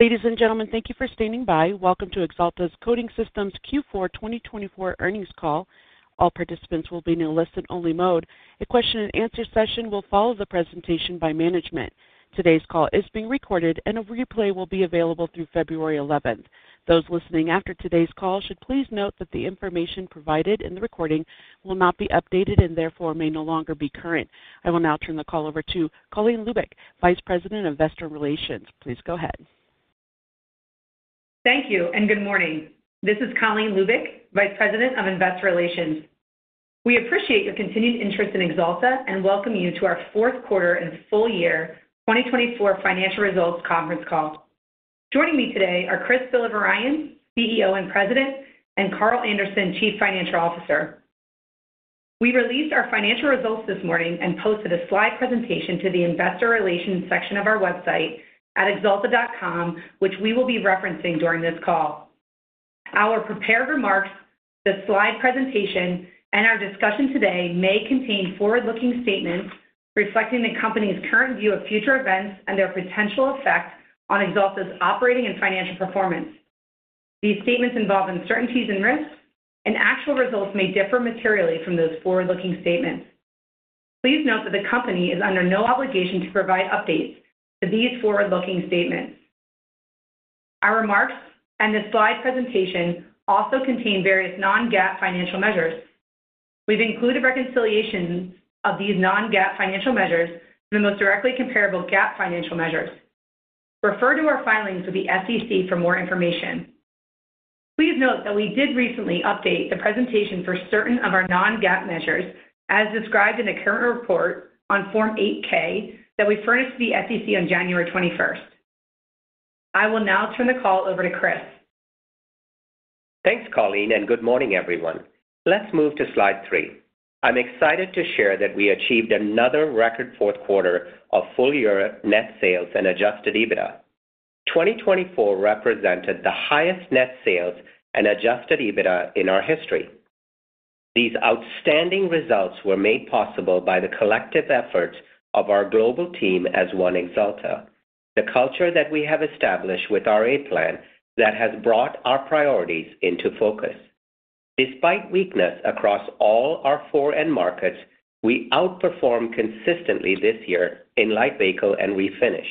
Ladies and gentlemen, thank you for standing by. Welcome to Axalta Coating Systems' Q4 2024 earnings call. All participants will be in a listen-only mode. A question-and-answer session will follow the presentation by management. Today's call is being recorded, and a replay will be available through February 11th. Those listening after today's call should please note that the information provided in the recording will not be updated and therefore may no longer be current. I will now turn the call over to Colleen Lubic, Vice President of Investor Relations. Please go ahead. Thank you and good morning. This is Colleen Lubic, Vice President of Investor Relations. We appreciate your continued interest in Axalta and welcome you to our fourth quarter and full year 2024 financial results conference call. Joining me today are Chris Villavarayan, CEO and President, and Carl Anderson, Chief Financial Officer. We released our financial results this morning and posted a slide presentation to the Investor Relations section of our website at Axalta.com, which we will be referencing during this call. Our prepared remarks, the slide presentation, and our discussion today may contain forward-looking statements reflecting the company's current view of future events and their potential effect on Axalta's operating and financial performance. These statements involve uncertainties and risks, and actual results may differ materially from those forward-looking statements. Please note that the company is under no obligation to provide updates to these forward-looking statements. Our remarks and the slide presentation also contain various non-GAAP financial measures. We've included reconciliations of these non-GAAP financial measures to the most directly comparable GAAP financial measures. Refer to our filings with the SEC for more information. Please note that we did recently update the presentation for certain of our non-GAAP measures, as described in the current report on Form 8-K that we furnished to the SEC on January 21st. I will now turn the call over to Chris. Thanks, Colleen, and good morning, everyone. Let's move to slide three. I'm excited to share that we achieved another record fourth quarter of full year net sales and adjusted EBITDA. 2024 represented the highest net sales and adjusted EBITDA in our history. These outstanding results were made possible by the collective efforts of our global team as One Axalta, the culture that we have established with our A-Plan that has brought our priorities into focus. Despite weakness across all our four end markets, we outperformed consistently this year in Light Vehicle and Refinish,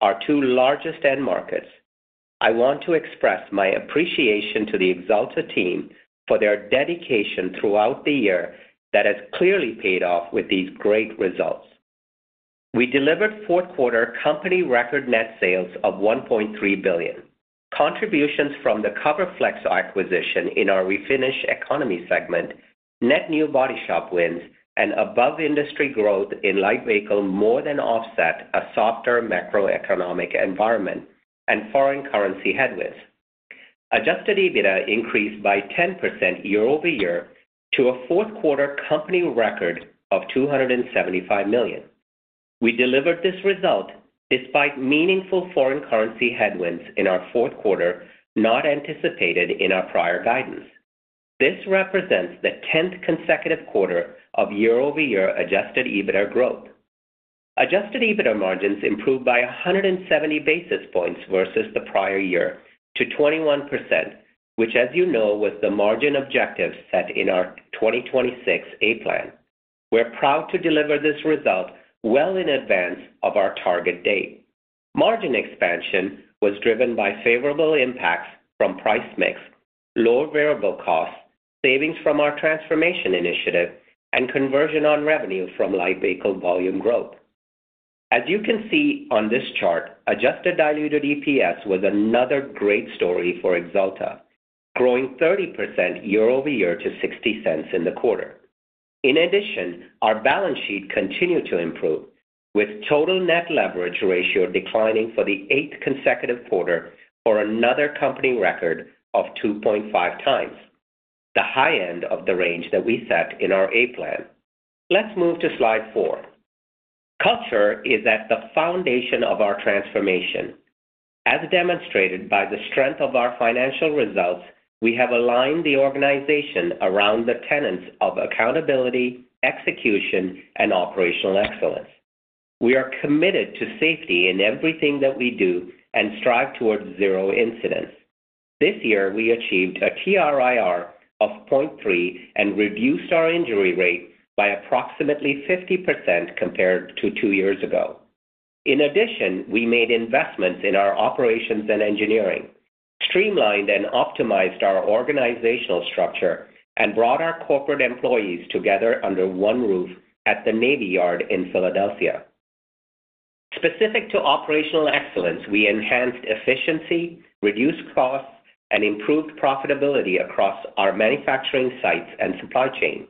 our two largest end markets. I want to express my appreciation to the Axalta team for their dedication throughout the year that has clearly paid off with these great results. We delivered fourth quarter company record net sales of $1.3 billion, contributions from the CoverFlexx acquisition in our Refinish economy segment, net new body shop wins, and above-industry growth in Light Vehicle more than offset a softer macroeconomic environment and foreign currency headwinds. Adjusted EBITDA increased by 10% year-over-year to a fourth quarter company record of $275 million. We delivered this result despite meaningful foreign currency headwinds in our fourth quarter not anticipated in our prior guidance. This represents the 10th consecutive quarter of year-over-year adjusted EBITDA growth. Adjusted EBITDA margins improved by 170 basis points versus the prior year to 21%, which, as you know, was the margin objective set in our 2026 A-Plan. We're proud to deliver this result well in advance of our target date. Margin expansion was driven by favorable impacts from price mix, lower variable costs, savings from our transformation initiative, and conversion on revenue from Light Vehicle volume growth. As you can see on this chart, Adjusted Diluted EPS was another great story for Axalta, growing 30% year-over-year to $0.60 in the quarter. In addition, our balance sheet continued to improve, with total net leverage ratio declining for the eighth consecutive quarter for another company record of 2.5 times, the high end of the range that we set in our A-Plan. Let's move to slide four. Culture is at the foundation of our transformation. As demonstrated by the strength of our financial results, we have aligned the organization around the tenets of accountability, execution, and operational excellence. We are committed to safety in everything that we do and strive towards zero incidents. This year, we achieved a TRIR of 0.3 and reduced our injury rate by approximately 50% compared to two years ago. In addition, we made investments in our operations and engineering, streamlined and optimized our organizational structure, and brought our corporate employees together under one roof at the Navy Yard in Philadelphia. Specific to operational excellence, we enhanced efficiency, reduced costs, and improved profitability across our manufacturing sites and supply chain.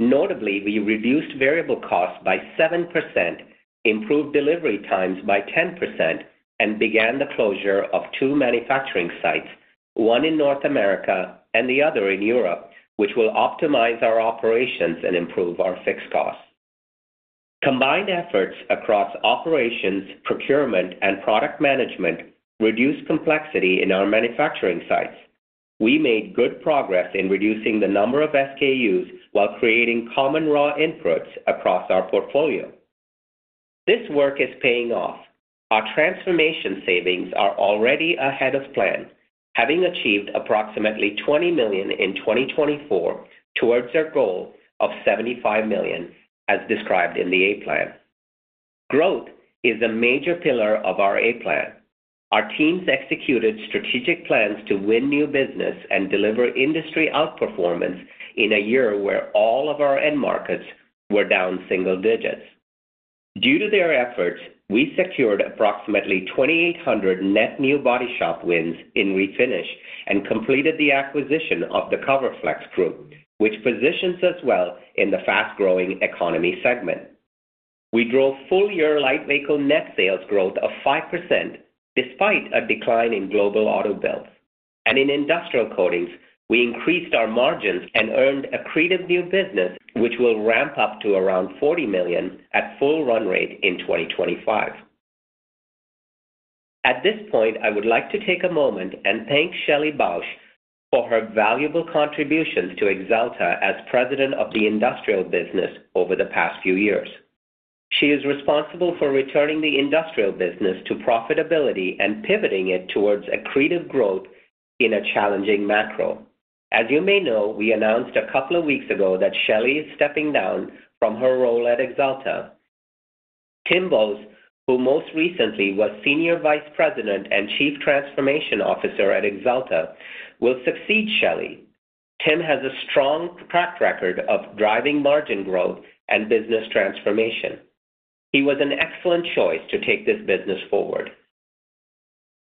Notably, we reduced variable costs by 7%, improved delivery times by 10%, and began the closure of two manufacturing sites, one in North America and the other in Europe, which will optimize our operations and improve our fixed costs. Combined efforts across operations, procurement, and product management reduced complexity in our manufacturing sites. We made good progress in reducing the number of SKUs while creating common raw inputs across our portfolio. This work is paying off. Our transformation savings are already ahead of plan, having achieved approximately $20 million in 2024 towards our goal of $75 million, as described in the A-Plan. Growth is a major pillar of our A-Plan. Our teams executed strategic plans to win new business and deliver industry outperformance in a year where all of our end markets were down single digits. Due to their efforts, we secured approximately 2,800 net new body shop wins in Refinish and completed the acquisition of the CoverFlexx Group, which positions us well in the fast-growing economy segment. We drove full-year Light Vehicle net sales growth of 5% despite a decline in global auto builds, and in Industrial Coatings, we increased our margins and earned accretive new business, which will ramp up to around $40 million at full run rate in 2025. At this point, I would like to take a moment and thank Shelley Bausch for her valuable contributions to Axalta as President of the Industrial business over the past few years. She is responsible for returning the Industrial business to profitability and pivoting it towards accretive growth in a challenging macro. As you may know, we announced a couple of weeks ago that Shelley is stepping down from her role at Axalta. Tim Boes, who most recently was Senior Vice President and Chief Transformation Officer at Axalta, will succeed Shelley. Tim has a strong track record of driving margin growth and business transformation. He was an excellent choice to take this business forward.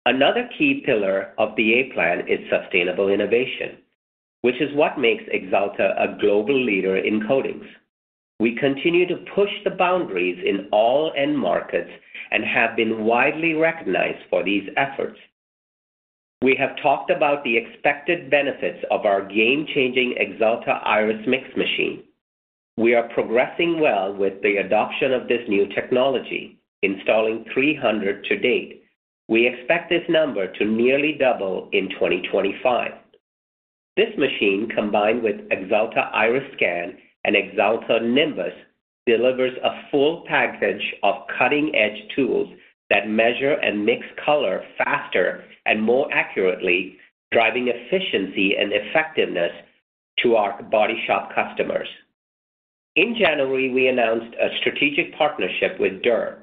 Another key pillar of the A-Plan is sustainable innovation, which is what makes Axalta a global leader in coatings. We continue to push the boundaries in all end markets and have been widely recognized for these efforts. We have talked about the expected benefits of our game-changing Axalta Irus Mix machine. We are progressing well with the adoption of this new technology, installing 300 to date. We expect this number to nearly double in 2025. This machine, combined with Axalta Irus Scan and Axalta Nimbus, delivers a full package of cutting-edge tools that measure and mix color faster and more accurately, driving efficiency and effectiveness to our body shop customers. In January, we announced a strategic partnership with Dürr,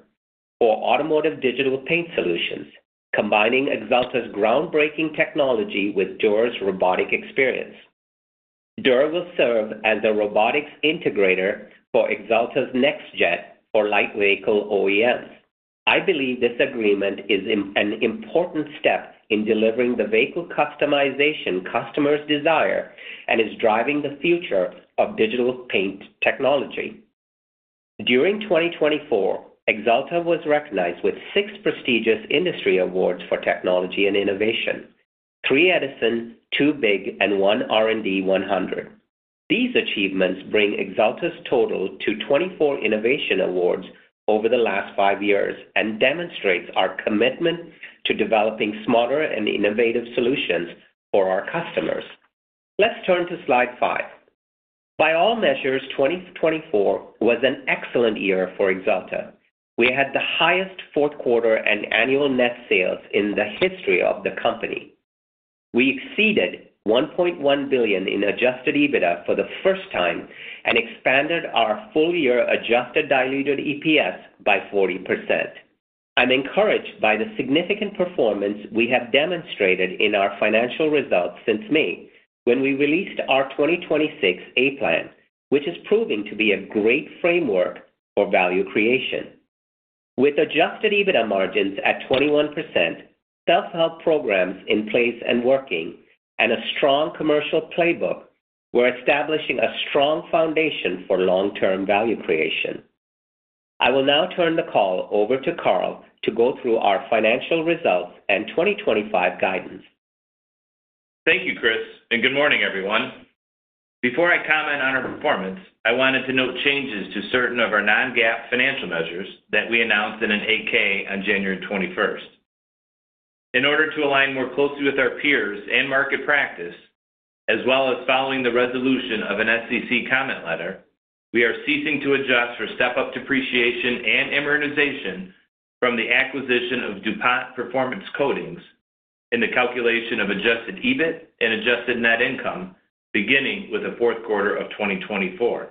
for Automotive Digital Paint Solutions, combining Axalta's groundbreaking technology with Dürr's robotic experience. Dürr will serve as a robotics integrator for Axalta's NextJet for Light Vehicle OEMs. I believe this agreement is an important step in delivering the vehicle customization customers desire and is driving the future of digital paint technology. During 2024, Axalta was recognized with six prestigious industry awards for technology and innovation: three Edison, two BIG, and one R&D 100. These achievements bring Axalta's total to 24 innovation awards over the last five years and demonstrate our commitment to developing smarter and innovative solutions for our customers. Let's turn to slide five. By all measures, 2024 was an excellent year for Axalta. We had the highest fourth quarter and annual net sales in the history of the company. We exceeded $1.1 billion in adjusted EBITDA for the first time and expanded our full year adjusted diluted EPS by 40%. I'm encouraged by the significant performance we have demonstrated in our financial results since May when we released our 2026 A-Plan, which is proving to be a great framework for value creation. With Adjusted EBITDA margins at 21%, self-help programs in place and working, and a strong commercial playbook, we're establishing a strong foundation for long-term value creation. I will now turn the call over to Carl to go through our financial results and 2025 guidance. Thank you, Chris, and good morning, everyone. Before I comment on our performance, I wanted to note changes to certain of our non-GAAP financial measures that we announced in an 8-K on January 21st. In order to align more closely with our peers and market practice, as well as following the resolution of an SEC comment letter, we are ceasing to adjust for step-up depreciation and amortization from the acquisition of DuPont Performance Coatings in the calculation of adjusted EBIT and adjusted net income, beginning with the fourth quarter of 2024.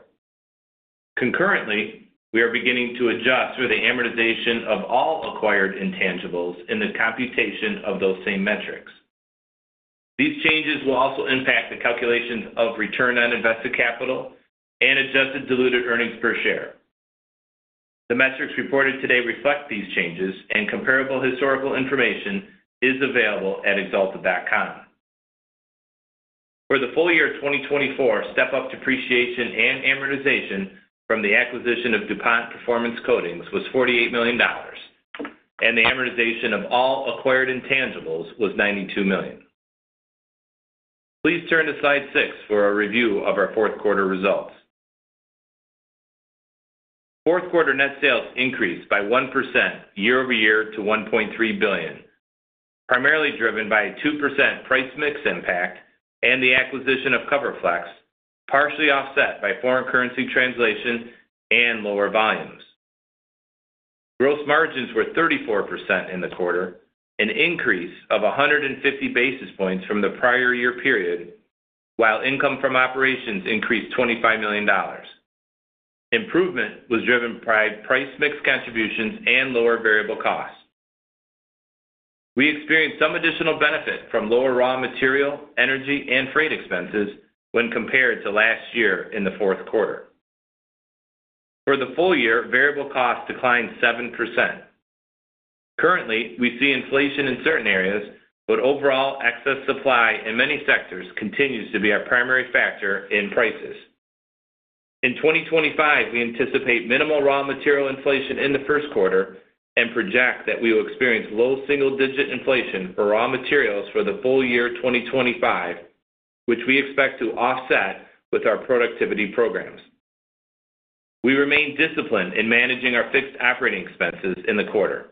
Concurrently, we are beginning to adjust for the amortization of all acquired intangibles in the computation of those same metrics. These changes will also impact the calculations of return on invested capital and adjusted diluted earnings per share. The metrics reported today reflect these changes, and comparable historical information is available at axalta.com. For the full year 2024, step-up depreciation and amortization from the acquisition of DuPont Performance Coatings was $48 million, and the amortization of all acquired intangibles was $92 million. Please turn to slide six for a review of our fourth quarter results. Fourth quarter net sales increased by 1% year-over-year to $1.3 billion, primarily driven by a 2% price mix impact and the acquisition of CoverFlexx, partially offset by foreign currency translation and lower volumes. Gross margins were 34% in the quarter, an increase of 150 basis points from the prior year period, while income from operations increased $25 million. Improvement was driven by price mix contributions and lower variable costs. We experienced some additional benefit from lower raw material, energy, and freight expenses when compared to last year in the fourth quarter. For the full year, variable costs declined 7%. Currently, we see inflation in certain areas, but overall excess supply in many sectors continues to be our primary factor in prices. In 2025, we anticipate minimal raw material inflation in the first quarter and project that we will experience low single-digit inflation for raw materials for the full year 2025, which we expect to offset with our productivity programs. We remain disciplined in managing our fixed operating expenses in the quarter.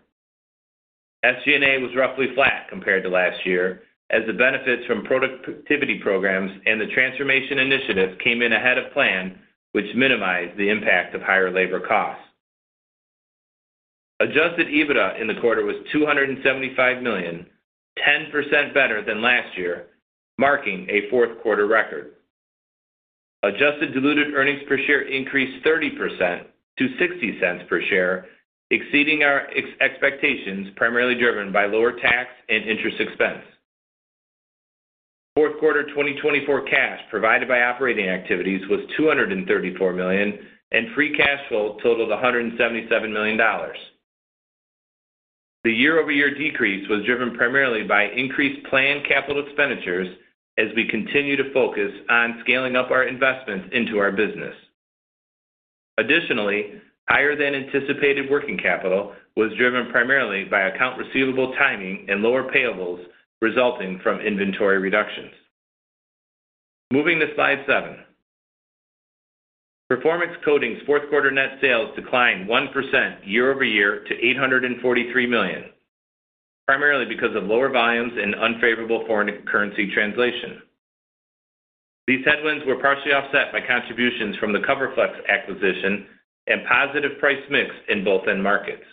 SG&A was roughly flat compared to last year, as the benefits from productivity programs and the transformation initiative came in ahead of plan, which minimized the impact of higher labor costs. Adjusted EBITDA in the quarter was $275 million, 10% better than last year, marking a fourth quarter record. Adjusted diluted earnings per share increased 30% to $0.60 per share, exceeding our expectations, primarily driven by lower tax and interest expense. Fourth quarter 2024 cash provided by operating activities was $234 million, and free cash flow totaled $177 million. The year-over-year decrease was driven primarily by increased planned capital expenditures as we continue to focus on scaling up our investments into our business. Additionally, higher-than-anticipated working capital was driven primarily by account receivable timing and lower payables resulting from inventory reductions. Moving to slide seven. Performance Coatings' fourth quarter net sales declined 1% year-over-year to $843 million, primarily because of lower volumes and unfavorable foreign currency translation. These headwinds were partially offset by contributions from the CoverFlexx acquisition and positive price mix in both end markets.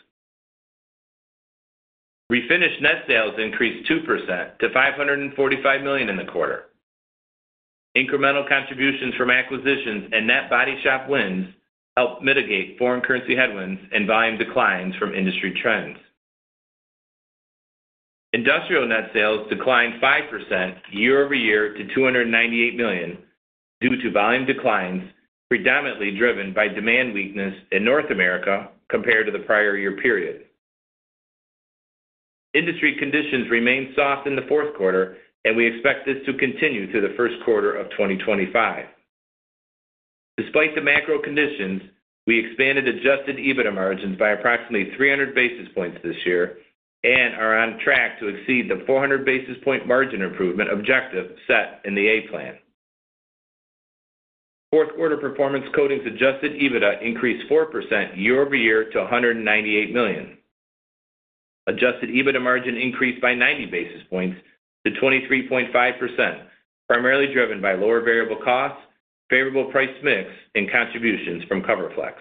Refinish net sales increased 2% to $545 million in the quarter. Incremental contributions from acquisitions and net body shop wins helped mitigate foreign currency headwinds and volume declines from industry trends. Industrial net sales declined 5% year-over-year to $298 million due to volume declines, predominantly driven by demand weakness in North America compared to the prior year period. Industry conditions remained soft in the fourth quarter, and we expect this to continue through the first quarter of 2025. Despite the macro conditions, we expanded adjusted EBITDA margins by approximately 300 basis points this year and are on track to exceed the 400 basis point margin improvement objective set in the A-Plan. Fourth quarter Performance Coatings' adjusted EBITDA increased 4% year-over-year to $198 million. Adjusted EBITDA margin increased by 90 basis points to 23.5%, primarily driven by lower variable costs, favorable price mix, and contributions from CoverFlexx.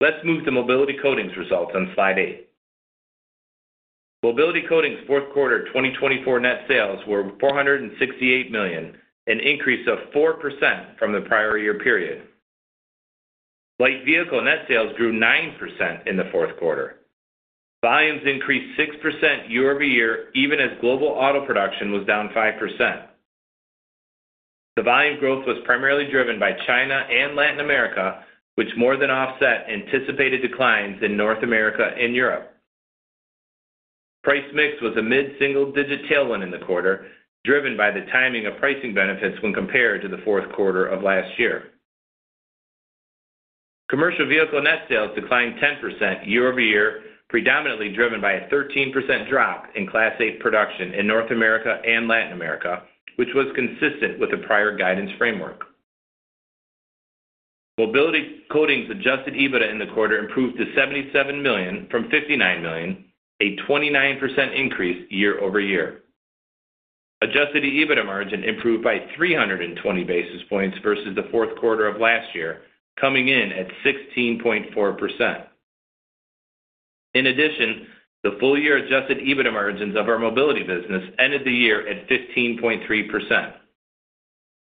Let's move to Mobility Coatings results on slide eight. Mobility Coatings' fourth quarter 2024 net sales were $468 million, an increase of 4% from the prior year period. Light Vehicle net sales grew 9% in the fourth quarter. Volumes increased 6% year-over-year, even as global auto production was down 5%. The volume growth was primarily driven by China and Latin America, which more than offset anticipated declines in North America and Europe. Price mix was a mid-single-digit tailwind in the quarter, driven by the timing of pricing benefits when compared to the fourth quarter of last year. Commercial Vehicle net sales declined 10% year-over-year, predominantly driven by a 13% drop in Class 8 production in North America and Latin America, which was consistent with the prior guidance framework. Mobility Coatings' Adjusted EBITDA in the quarter improved to $77 million from $59 million, a 29% increase year-over-year. Adjusted EBITDA margin improved by 320 basis points versus the fourth quarter of last year, coming in at 16.4%. In addition, the full year adjusted EBITDA margins of our mobility business ended the year at 15.3%.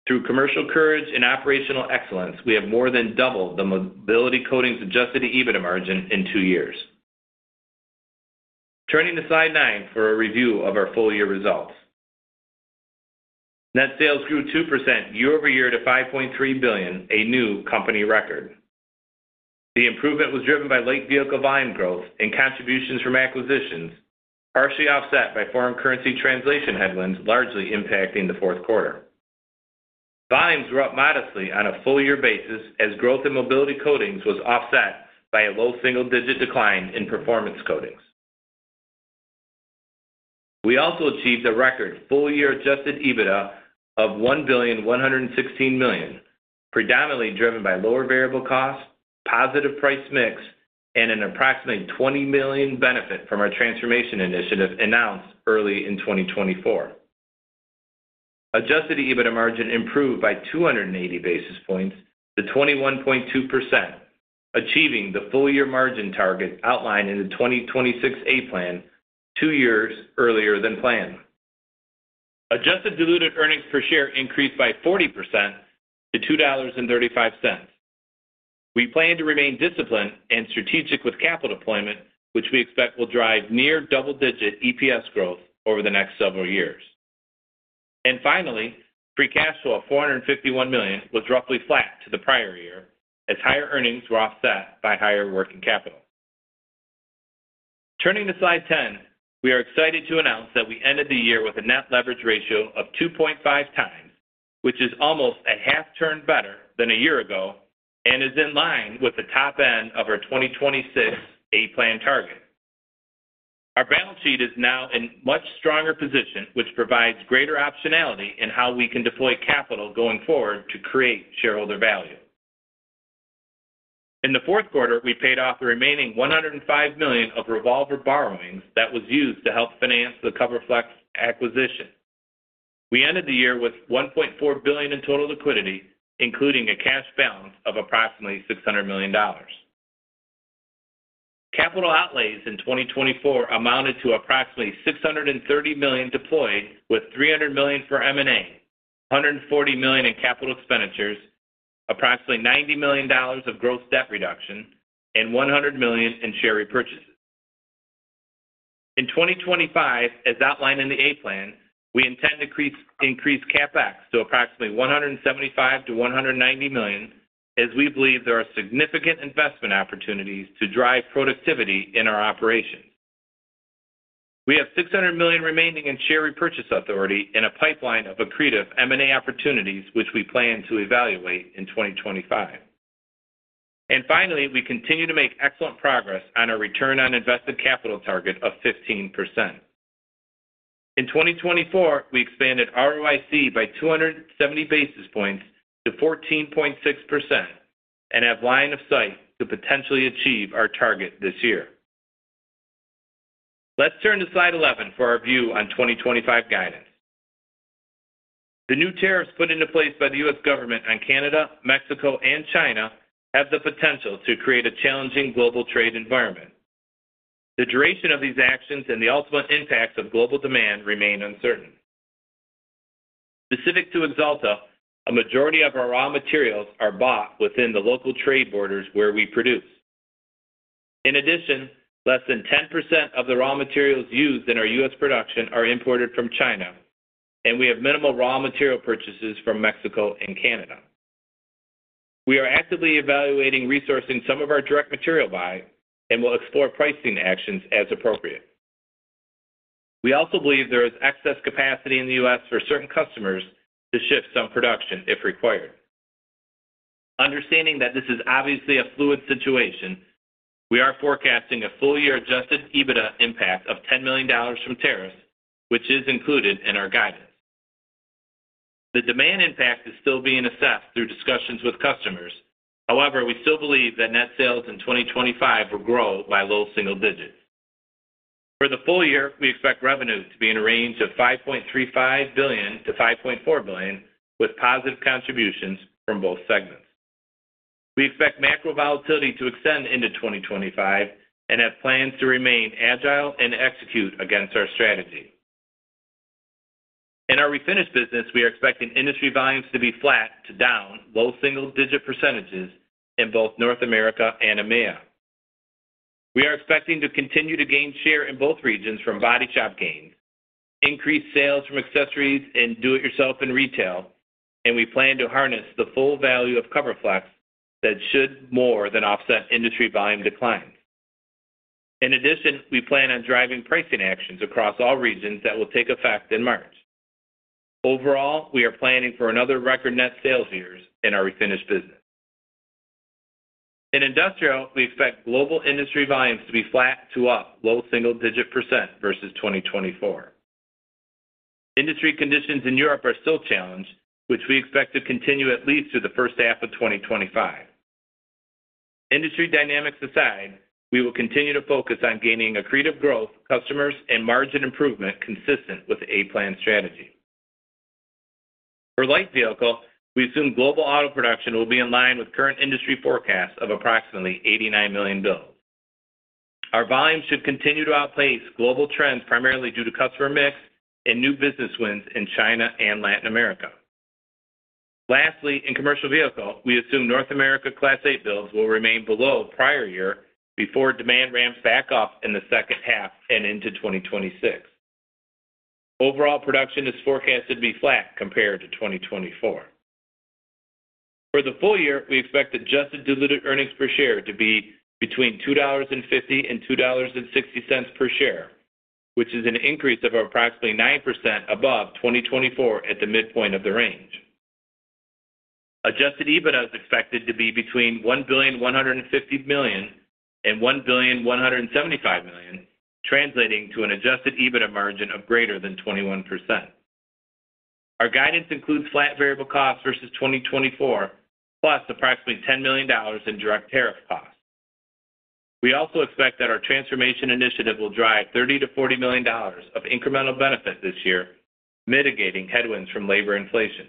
Through commercial courage and operational excellence, we have more than doubled the Mobility Coatings' adjusted EBITDA margin in two years. Turning to slide nine for a review of our full year results. Net sales grew 2% year-over-year to $5.3 billion, a new company record. The improvement was driven by Light Vehicle volume growth and contributions from acquisitions, partially offset by foreign currency translation headwinds largely impacting the fourth quarter. Volumes were up modestly on a full year basis as growth in Mobility Coatings was offset by a low single-digit decline in Performance Coatings. We also achieved a record full year adjusted EBITDA of $1,116 million, predominantly driven by lower variable costs, positive price mix, and an approximate $20 million benefit from our transformation initiative announced early in 2024. Adjusted EBITDA margin improved by 280 basis points to 21.2%, achieving the full year margin target outlined in the 2026 A-Plan two years earlier than planned. Adjusted diluted earnings per share increased by 40% to $2.35. We plan to remain disciplined and strategic with capital deployment, which we expect will drive near double-digit EPS growth over the next several years. And finally, free cash flow of $451 million was roughly flat to the prior year as higher earnings were offset by higher working capital. Turning to slide 10, we are excited to announce that we ended the year with a net leverage ratio of 2.5 times, which is almost a half turn better than a year ago and is in line with the top end of our 2026 A-Plan target. Our balance sheet is now in a much stronger position, which provides greater optionality in how we can deploy capital going forward to create shareholder value. In the fourth quarter, we paid off the remaining $105 million of revolver borrowings that was used to help finance the CoverFlexx acquisition. We ended the year with $1.4 billion in total liquidity, including a cash balance of approximately $600 million. Capital outlays in 2024 amounted to approximately $630 million deployed, with $300 million for M&A, $140 million in capital expenditures, approximately $90 million of gross debt reduction, and $100 million in share repurchases. In 2025, as outlined in the A-Plan, we intend to increase CapEx to approximately $175 million-$190 million, as we believe there are significant investment opportunities to drive productivity in our operations. We have $600 million remaining in share repurchase authority and a pipeline of accretive M&A opportunities, which we plan to evaluate in 2025. And finally, we continue to make excellent progress on our return on invested capital target of 15%. In 2024, we expanded ROIC by 270 basis points to 14.6% and have line of sight to potentially achieve our target this year. Let's turn to slide 11 for our view on 2025 guidance. The new tariffs put into place by the U.S. government on Canada, Mexico, and China have the potential to create a challenging global trade environment. The duration of these actions and the ultimate impacts of global demand remain uncertain. Specific to Axalta, a majority of our raw materials are bought within the local trade borders where we produce. In addition, less than 10% of the raw materials used in our U.S. production are imported from China, and we have minimal raw material purchases from Mexico and Canada. We are actively evaluating resourcing some of our direct material buys and will explore pricing actions as appropriate. We also believe there is excess capacity in the U.S. for certain customers to shift some production if required. Understanding that this is obviously a fluid situation, we are forecasting a full-year Adjusted EBITDA impact of $10 million from tariffs, which is included in our guidance. The demand impact is still being assessed through discussions with customers. However, we still believe that net sales in 2025 will grow by low single digits. For the full year, we expect revenue to be in a range of $5.35 billion-$5.4 billion, with positive contributions from both segments. We expect macro volatility to extend into 2025 and have plans to remain agile and execute against our strategy. In our Refinish business, we are expecting industry volumes to be flat to down low single-digit percentages in both North America and EMEA. We are expecting to continue to gain share in both regions from body shop gains, increase sales from accessories and do-it-yourself in retail, and we plan to harness the full value of CoverFlexx that should more than offset industry volume declines. In addition, we plan on driving pricing actions across all regions that will take effect in March. Overall, we are planning for another record net sales years in our Refinish business. In Industrial, we expect global industry volumes to be flat to up low single-digit percent versus 2024. Industry conditions in Europe are still challenged, which we expect to continue at least through the first half of 2025. Industry dynamics aside, we will continue to focus on gaining accretive growth, customers, and margin improvement consistent with the A-Plan strategy. For Light Vehicle, we assume global auto production will be in line with current industry forecasts of approximately 89 million vehicles. Our volumes should continue to outpace global trends, primarily due to customer mix and new business wins in China and Latin America. Lastly, in Commercial Vehicle, we assume North America Class 8 builds will remain below prior year before demand ramps back up in the second half and into 2026. Overall, production is forecasted to be flat compared to 2024. For the full year, we expect adjusted diluted earnings per share to be between $2.50 and $2.60 per share, which is an increase of approximately 9% above 2024 at the midpoint of the range. Adjusted EBITDA is expected to be between $1,150 million-$1,175 million, translating to an adjusted EBITDA margin of greater than 21%. Our guidance includes flat variable costs versus 2024, plus approximately $10 million in direct tariff costs. We also expect that our transformation initiative will drive $30 million-$40 million of incremental benefit this year, mitigating headwinds from labor inflation.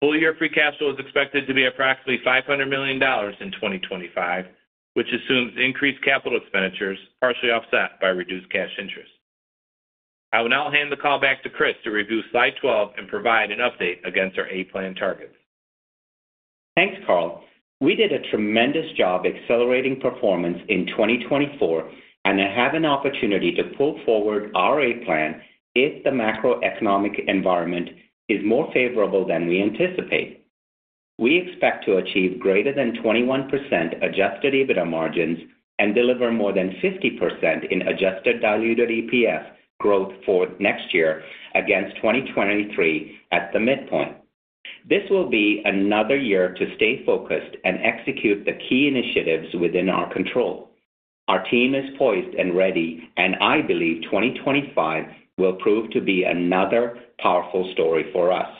Full year free cash flow is expected to be approximately $500 million in 2025, which assumes increased capital expenditures, partially offset by reduced cash interest. I will now hand the call back to Chris to review slide 12 and provide an update against our A-Plan targets. Thanks, Carl. We did a tremendous job accelerating performance in 2024 and have an opportunity to pull forward our A-Plan if the macroeconomic environment is more favorable than we anticipate. We expect to achieve greater than 21% Adjusted EBITDA margins and deliver more than 50% in Adjusted Diluted EPS growth for next year against 2023 at the midpoint. This will be another year to stay focused and execute the key initiatives within our control. Our team is poised and ready, and I believe 2025 will prove to be another powerful story for us.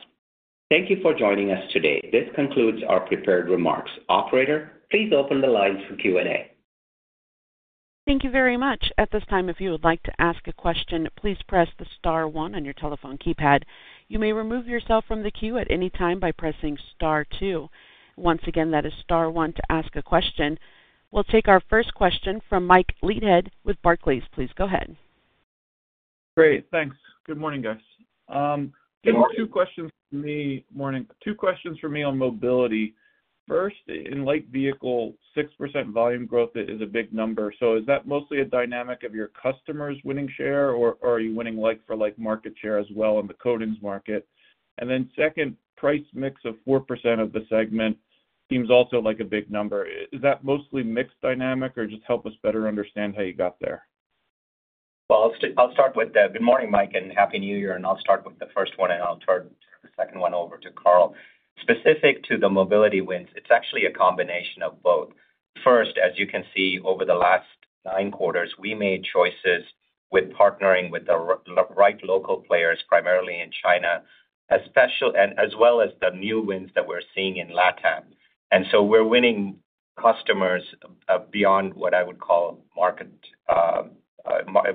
Thank you for joining us today. This concludes our prepared remarks. Operator, please open the lines for Q&A. Thank you very much. At this time, if you would like to ask a question, please press the star one on your telephone keypad. You may remove yourself from the queue at any time by pressing star two. Once again, that is star one to ask a question. We'll take our first question from Mike Leithead with Barclays. Please go ahead. Great. Thanks. Good morning, guys. Good morning. Just two questions for me. Morning. Two questions for me on mobility. First, in Light Vehicle, 6% volume growth is a big number. So is that mostly a dynamic of your customers winning share, or are you winning for market share as well in the coatings market? And then second, price mix of 4% of the segment seems also like a big number. Is that mostly mixed dynamic, or just help us better understand how you got there? Well, I'll start with that. Good morning, Mike, and happy New Year. And I'll start with the first one, and I'll turn the second one over to Carl. Specific to the mobility wins, it's actually a combination of both. First, as you can see, over the last nine quarters, we made choices with partnering with the right local players, primarily in China, as well as the new wins that we're seeing in LatAm. And so we're winning customers beyond what I would call market.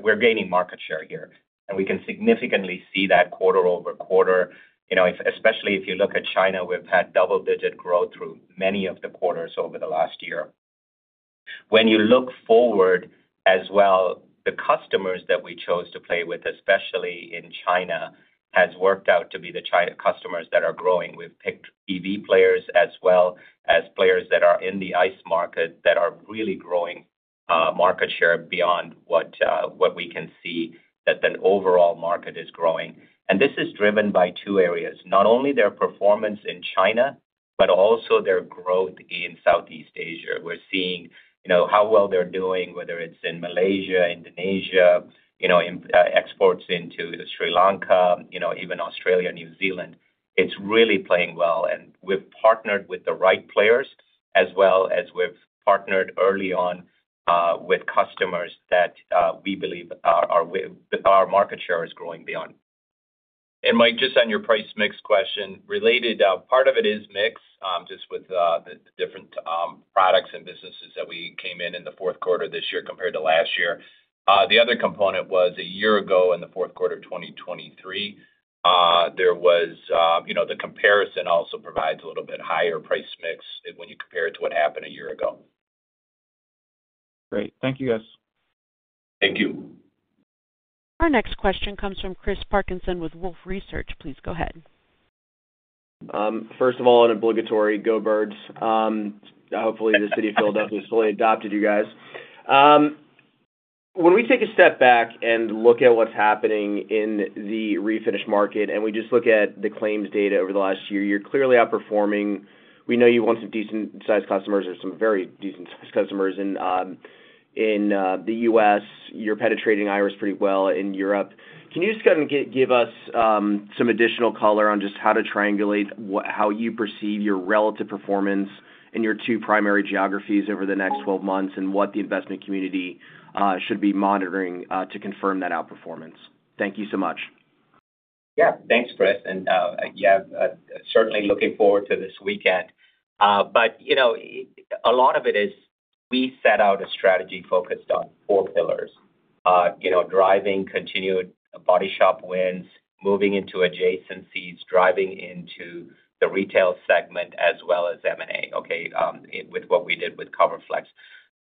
We're gaining market share here, and we can significantly see that quarter-over-quarter, especially if you look at China. We've had double-digit growth through many of the quarters over the last year. When you look forward as well, the customers that we chose to play with, especially in China, have worked out to be the customers that are growing. We've picked EV players as well as players that are in the ICE market that are really growing market share beyond what we can see that the overall market is growing. This is driven by two areas: not only their performance in China, but also their growth in Southeast Asia. We're seeing how well they're doing, whether it's in Malaysia, Indonesia, exports into Sri Lanka, even Australia, New Zealand. It's really playing well. We've partnered with the right players as well as we've partnered early on with customers that we believe our market share is growing beyond. Mike, just on your price mix question, related, part of it is mixed just with the different products and businesses that we came in in the fourth quarter this year compared to last year. The other component was a year ago in the fourth quarter of 2023. There was the comparison also provides a little bit higher price mix when you compare it to what happened a year ago. Great. Thank you, guys. Thank you. Our next question comes from Chris Parkinson with Wolfe Research. Please go ahead. First of all, an obligatory go birds. Hopefully, the city of Philadelphia has fully adopted you guys. When we take a step back and look at what's happening in the Refinish market, and we just look at the claims data over the last year, you're clearly outperforming. We know you want some decent-sized customers or some very decent-sized customers in the U.S. You're penetrating Irus pretty well in Europe. Can you just kind of give us some additional color on just how to triangulate how you perceive your relative performance in your two primary geographies over the next 12 months and what the investment community should be monitoring to confirm that outperformance? Thank you so much. Yeah. Thanks, Chris. And yeah, certainly looking forward to this weekend. But a lot of it is we set out a strategy focused on four pillars: driving continued body shop wins, moving into adjacencies, driving into the retail segment as well as M&A, okay, with what we did with CoverFlexx.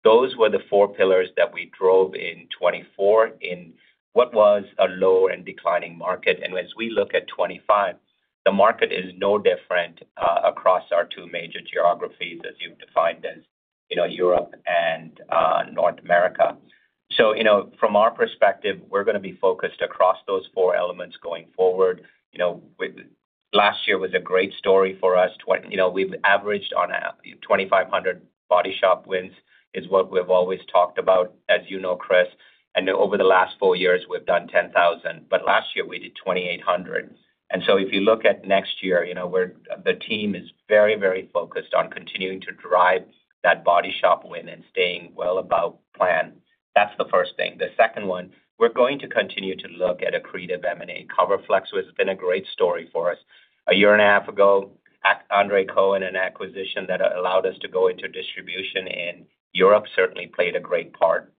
Those were the four pillars that we drove in 2024 in what was a low and declining market. And as we look at 2025, the market is no different across our two major geographies, as you've defined as Europe and North America. So from our perspective, we're going to be focused across those four elements going forward. Last year was a great story for us. We've averaged on 2,500 body shop wins, is what we've always talked about, as you know, Chris. And over the last four years, we've done 10,000. But last year, we did 2,800. And so if you look at next year, the team is very, very focused on continuing to drive that body shop win and staying well above plan. That's the first thing. The second one, we're going to continue to look at accretive M&A. CoverFlexx has been a great story for us. A year and a half ago, André Koch AG, an acquisition that allowed us to go into distribution in Europe, certainly played a great part.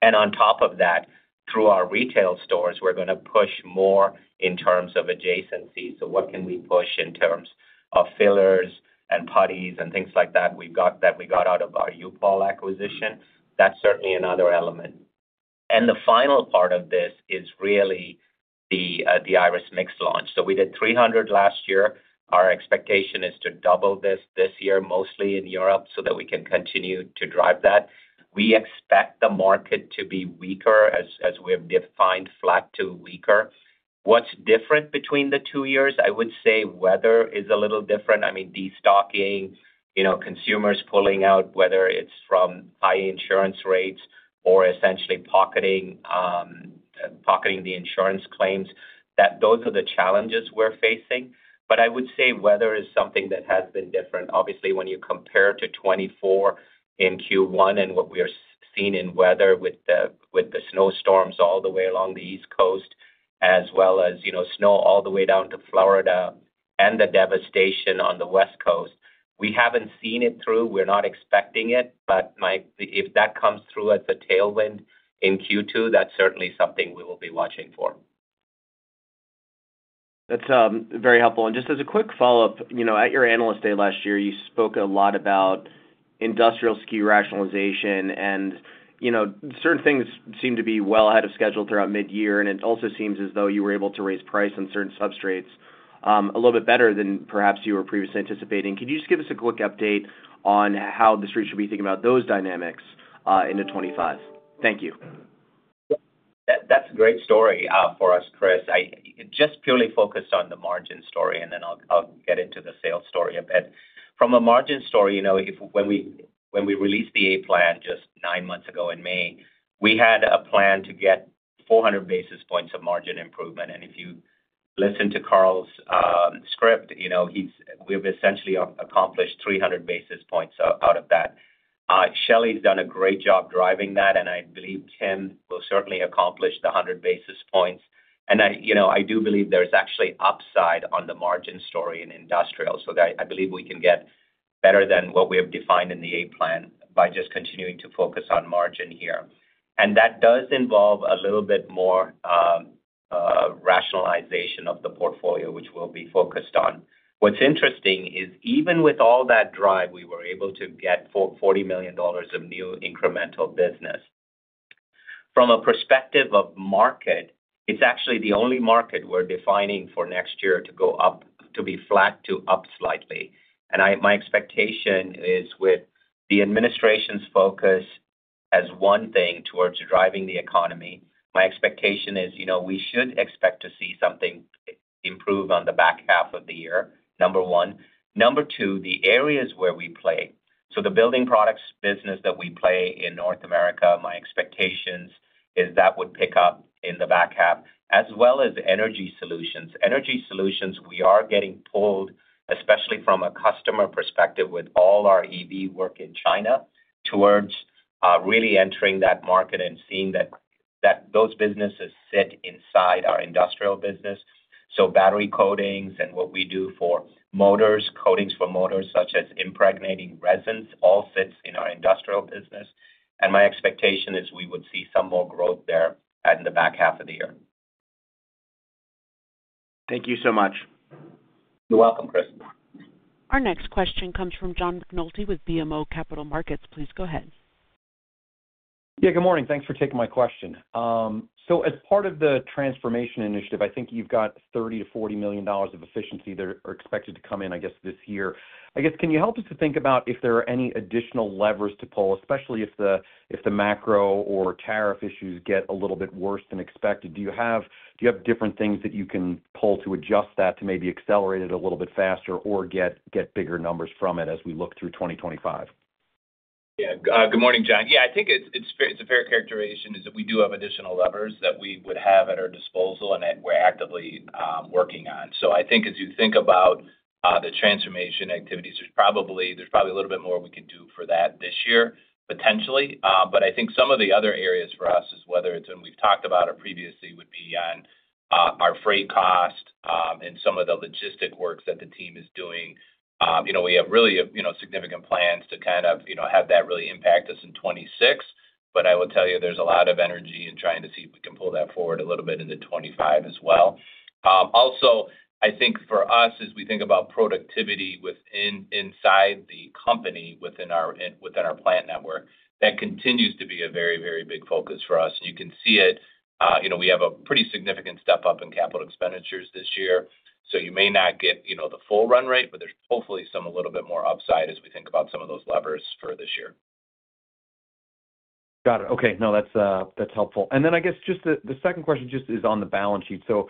And on top of that, through our retail stores, we're going to push more in terms of adjacencies. So what can we push in terms of fillers and putties and things like that we got out of our U-POL acquisition? That's certainly another element. And the final part of this is really the Irus Mix launch. So we did 300 last year. Our expectation is to double this year, mostly in Europe, so that we can continue to drive that. We expect the market to be weaker as we've defined flat to weaker. What's different between the two years? I would say weather is a little different. I mean, destocking, consumers pulling out, whether it's from high insurance rates or essentially pocketing the insurance claims, those are the challenges we're facing, but I would say weather is something that has been different. Obviously, when you compare to 2024 in Q1 and what we are seeing in weather with the snowstorms all the way along the East Coast, as well as snow all the way down to Florida and the devastation on the West Coast, we haven't seen it through. We're not expecting it. But Mike, if that comes through as a tailwind in Q2, that's certainly something we will be watching for. That's very helpful. And just as a quick follow-up, at your analyst day last year, you spoke a lot about Industrial SKU rationalization, and certain things seemed to be well ahead of schedule throughout mid-year. And it also seems as though you were able to raise price on certain substrates a little bit better than perhaps you were previously anticipating. Can you just give us a quick update on how the street should be thinking about those dynamics into 2025? Thank you. That's a great story for us, Chris. Just purely focused on the margin story, and then I'll get into the sales story a bit. From a margin story, when we released the A-Plan just nine months ago in May, we had a plan to get 400 basis points of margin improvement, and if you listen to Carl's script, we've essentially accomplished 300 basis points out of that. Shelley's done a great job driving that, and I believe Tim will certainly accomplish the 100 basis points, and I do believe there's actually upside on the margin story in Industrial, so I believe we can get better than what we have defined in the A-Plan by just continuing to focus on margin here, and that does involve a little bit more rationalization of the portfolio, which we'll be focused on. What's interesting is, even with all that drive, we were able to get $40 million of new incremental business. From a perspective of market, it's actually the only market we're defining for next year to go up, to be flat, to up slightly. And my expectation is, with the administration's focus as one thing towards driving the economy, my expectation is we should expect to see something improve on the back half of the year, number one. Number two, the areas where we play. So the Building Products business that we play in North America, my expectation is that would pick up in the back half, as well as Energy Solutions. Energy Solutions, we are getting pulled, especially from a customer perspective with all our EV work in China, towards really entering that market and seeing that those businesses sit inside our Industrial business. So battery coatings and what we do for motors, coatings for motors, such as impregnating resins, all sits in our Industrial business. And my expectation is we would see some more growth there in the back half of the year. Thank you so much. You're welcome, Chris. Our next question comes from John McNulty with BMO Capital Markets. Please go ahead. Yeah. Good morning. Thanks for taking my question. So as part of the transformation initiative, I think you've got $30 million-$40 million of efficiency that are expected to come in, I guess, this year. I guess, can you help us to think about if there are any additional levers to pull, especially if the macro or tariff issues get a little bit worse than expected? Do you have different things that you can pull to adjust that to maybe accelerate it a little bit faster or get bigger numbers from it as we look through 2025? Yeah. Good morning, John. Yeah. I think it's a fair characterization that we do have additional levers that we would have at our disposal and that we're actively working on. So I think as you think about the transformation activities, there's probably a little bit more we can do for that this year, potentially. But I think some of the other areas for us, whether it's when we've talked about it previously, would be on our freight cost and some of the logistic work that the team is doing. We have really significant plans to kind of have that really impact us in 2026. But I will tell you, there's a lot of energy in trying to see if we can pull that forward a little bit into 2025 as well. Also, I think for us, as we think about productivity inside the company, within our plant network, that continues to be a very, very big focus for us. And you can see it. We have a pretty significant step up in capital expenditures this year. So you may not get the full run rate, but there's hopefully some a little bit more upside as we think about some of those levers for this year. Got it. Okay. No, that's helpful. And then I guess just the second question just is on the balance sheet. So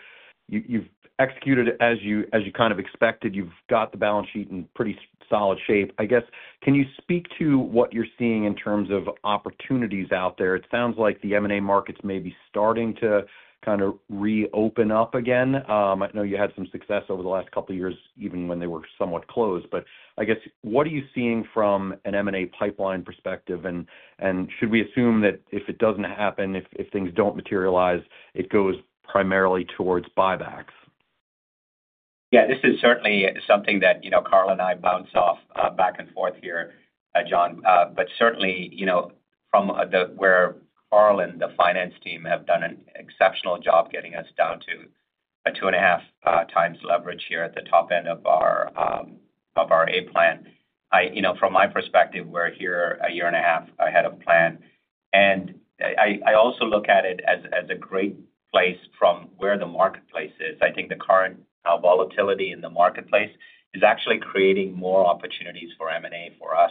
you've executed as you kind of expected. You've got the balance sheet in pretty solid shape. I guess, can you speak to what you're seeing in terms of opportunities out there? It sounds like the M&A markets may be starting to kind of reopen up again. I know you had some success over the last couple of years, even when they were somewhat closed. But I guess, what are you seeing from an M&A pipeline perspective? And should we assume that if it doesn't happen, if things don't materialize, it goes primarily towards buybacks? Yeah. This is certainly something that Carl and I bounce off back and forth here, John. But certainly, from where Carl and the finance team have done an exceptional job getting us down to a two and a half times leverage here at the top end of our A-Plan. From my perspective, we're here a year and a half ahead of plan. And I also look at it as a great place from where the marketplace is. I think the current volatility in the marketplace is actually creating more opportunities for M&A for us.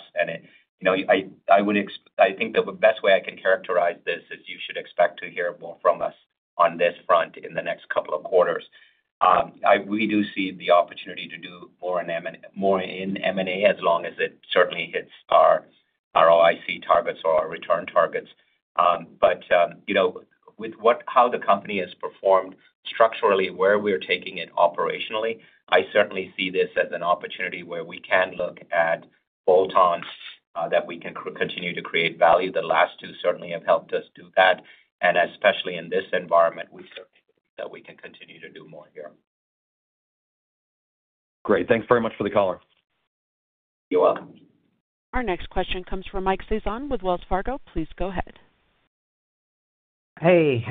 I think the best way I can characterize this is you should expect to hear more from us on this front in the next couple of quarters. We do see the opportunity to do more in M&A as long as it certainly hits our ROIC targets or our return targets. But with how the company has performed structurally, where we're taking it operationally, I certainly see this as an opportunity where we can look at bolt-ons that we can continue to create value. The last two certainly have helped us do that. And especially in this environment, we certainly believe that we can continue to do more here. Great. Thanks very much for the caller. You're welcome. Our next question comes from Mike Sison with Wells Fargo. Please go ahead. Hey.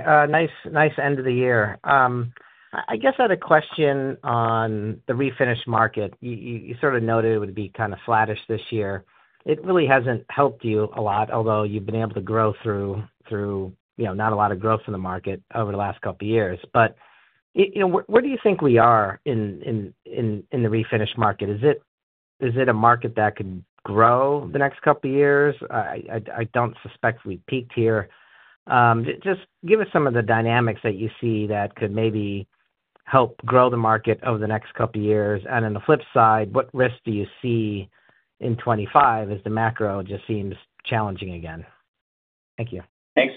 Nice end of the year. I guess I had a question on the Refinish market. You sort of noted it would be kind of flattish this year. It really hasn't helped you a lot, although you've been able to grow through not a lot of growth in the market over the last couple of years. But where do you think we are in the Refinish market? Is it a market that could grow the next couple of years? I don't suspect we peaked here. Just give us some of the dynamics that you see that could maybe help grow the market over the next couple of years. And on the flip side, what risk do you see in '25 as the macro just seems challenging again? Thank you. Thanks.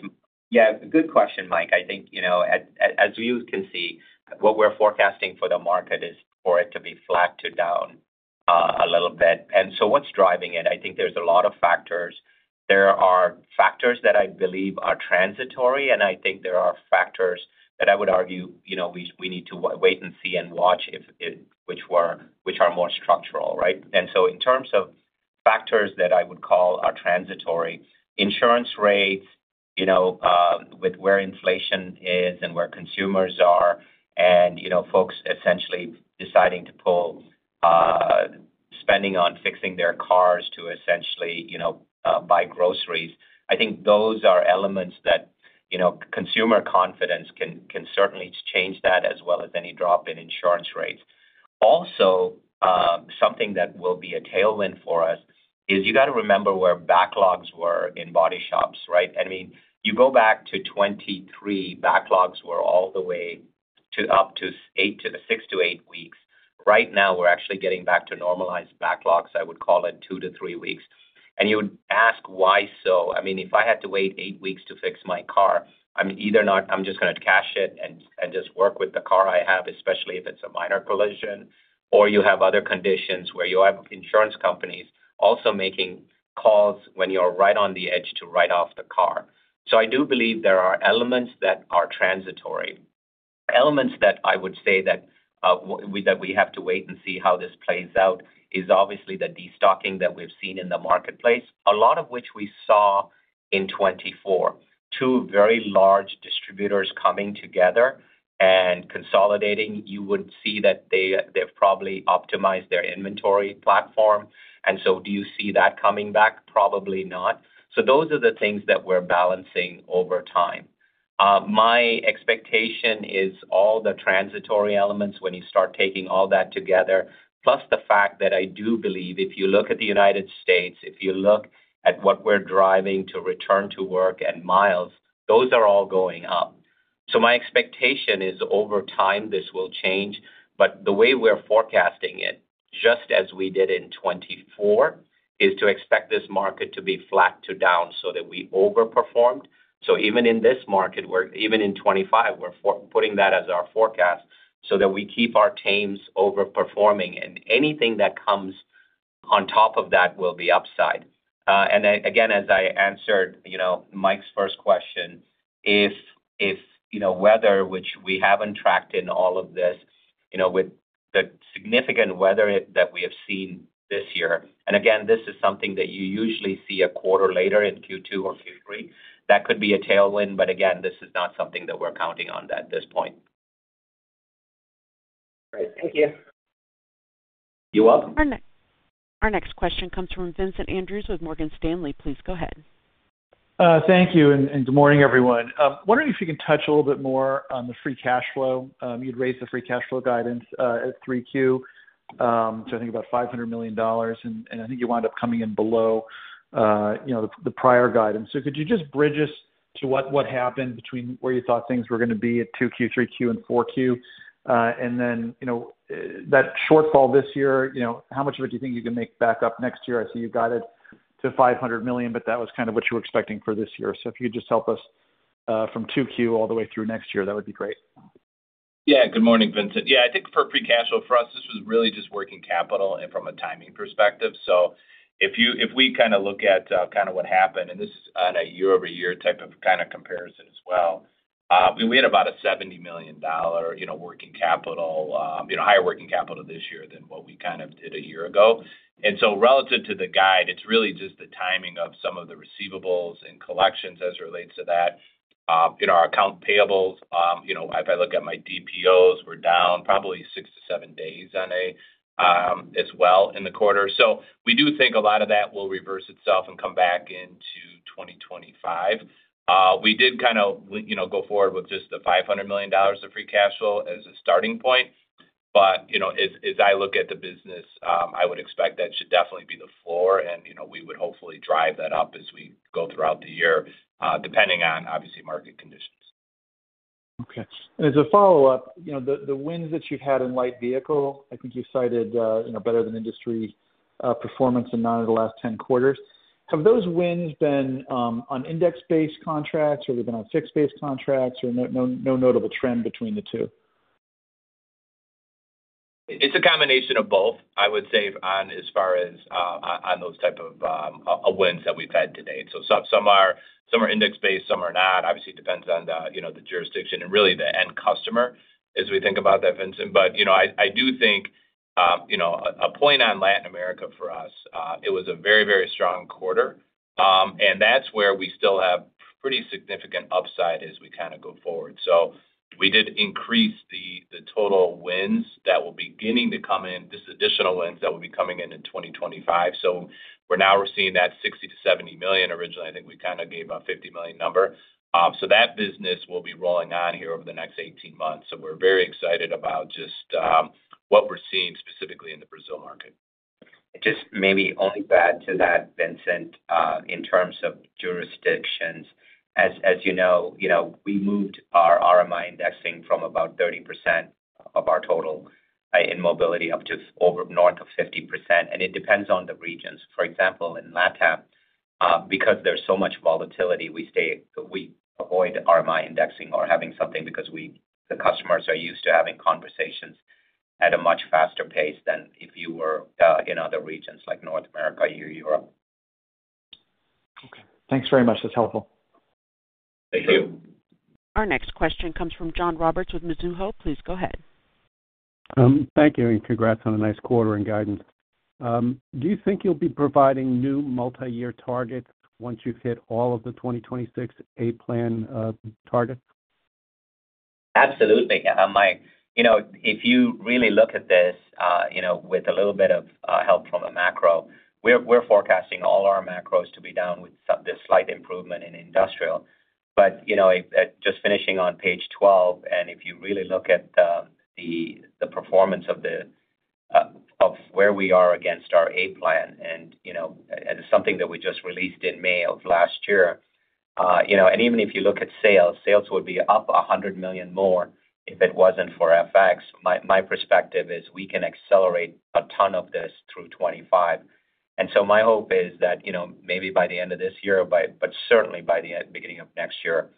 Yeah. Good question, Mike. I think, as you can see, what we're forecasting for the market is for it to be flat to down a little bit. And so what's driving it? I think there's a lot of factors. There are factors that I believe are transitory, and I think there are factors that I would argue we need to wait and see and watch, which are more structural, right? And so in terms of factors that I would call are transitory, insurance rates with where inflation is and where consumers are and folks essentially deciding to pull spending on fixing their cars to essentially buy groceries. I think those are elements that consumer confidence can certainly change that, as well as any drop in insurance rates. Also, something that will be a tailwind for us is you got to remember where backlogs were in body shops, right? I mean, you go back to 2023, backlogs were all the way up to six to eight weeks. Right now, we're actually getting back to normalized backlogs, I would call it, two to three weeks. You would ask why so. I mean, if I had to wait eight weeks to fix my car, I'm either not. I'm just going to cash it and just work with the car I have, especially if it's a minor collision, or you have other conditions where you have insurance companies also making calls when you're right on the edge to write off the car. So I do believe there are elements that are transitory. Elements that I would say that we have to wait and see how this plays out is obviously the destocking that we've seen in the marketplace, a lot of which we saw in 2024. Two very large distributors coming together and consolidating. You would see that they've probably optimized their inventory platform. And so do you see that coming back? Probably not. So those are the things that we're balancing over time. My expectation is all the transitory elements when you start taking all that together, plus the fact that I do believe if you look at the United States, if you look at what we're driving to return to work and miles, those are all going up. So my expectation is over time this will change. But the way we're forecasting it, just as we did in 2024, is to expect this market to be flat to down so that we overperformed. So even in this market, even in 2025, we're putting that as our forecast so that we keep our teams overperforming. And anything that comes on top of that will be upside. And again, as I answered Mike's first question, if weather, which we haven't tracked in all of this with the significant weather that we have seen this year. And again, this is something that you usually see a quarter later in Q2 or Q3. That could be a tailwind. But again, this is not something that we're counting on at this point. Great. Thank you. You're welcome. Our next question comes from Vincent Andrews with Morgan Stanley. Please go ahead. Thank you. And good morning, everyone. Wondering if you can touch a little bit more on the free cash flow. You'd raised the free cash flow guidance at 3Q to, I think, about $500 million. And I think you wound up coming in below the prior guidance. So could you just bridge us to what happened between where you thought things were going to be at 2Q, 3Q, and 4Q? That shortfall this year, how much of it do you think you can make back up next year? I see you guided to $500 million, but that was kind of what you were expecting for this year. So if you could just help us from 2Q all the way through next year, that would be great. Yeah. Good morning, Vincent. Yeah. I think for free cash flow for us, this was really just working capital and from a timing perspective. So if we kind of look at kind of what happened, and this is on a year-over-year type of kind of comparison as well, we had about a $70 million higher working capital this year than what we kind of did a year ago. Relative to the guide, it's really just the timing of some of the receivables and collections as it relates to that. Our account payables, if I look at my DPOs, we're down probably six to seven days on AP as well in the quarter. So we do think a lot of that will reverse itself and come back into 2025. We did kind of go forward with just the $500 million of free cash flow as a starting point. But as I look at the business, I would expect that should definitely be the floor. And we would hopefully drive that up as we go throughout the year, depending on, obviously, market conditions. Okay. And as a follow-up, the wins that you've had in Light Vehicle, I think you cited better than industry performance in none of the last 10 quarters. Have those wins been on index-based contracts or have they been on fixed-based contracts or no notable trend between the two? It's a combination of both, I would say, as far as on those type of wins that we've had to date. So some are index-based, some are not. Obviously, it depends on the jurisdiction and really the end customer as we think about that, Vincent. But I do think a point on Latin America for us, it was a very, very strong quarter. And that's where we still have pretty significant upside as we kind of go forward. So we did increase the total wins that will be beginning to come in, just additional wins that will be coming in in 2025. So we're now seeing that $60 million-$70 million originally. I think we kind of gave a $50 million number. So that business will be rolling on here over the next 18 months. So we're very excited about just what we're seeing specifically in the Brazil market. Just maybe only to add to that, Vincent, in terms of jurisdictions, as you know, we moved our RMI indexing from about 30% of our total in mobility up to north of 50%. And it depends on the regions. For example, in LatAm, because there's so much volatility, we avoid RMI indexing or having something because the customers are used to having conversations at a much faster pace than if you were in other regions like North America or Europe. Okay. Thanks very much. That's helpful. Thank you. Our next question comes from John Roberts with Mizuho. Please go ahead. Thank you. And congrats on a nice quarter and guidance. Do you think you'll be providing new multi-year targets once you've hit all of the 2026 A-Plan targets? Absolutely. If you really look at this with a little bit of help from a macro, we're forecasting all our macros to be down with this slight improvement in Industrial. But just finishing on page 12, and if you really look at the performance of where we are against our A-Plan and something that we just released in May of last year, and even if you look at sales, sales would be up $100 million more if it wasn't for FX. My perspective is we can accelerate a ton of this through 2025. So my hope is that maybe by the end of this year, but certainly by the beginning of next year,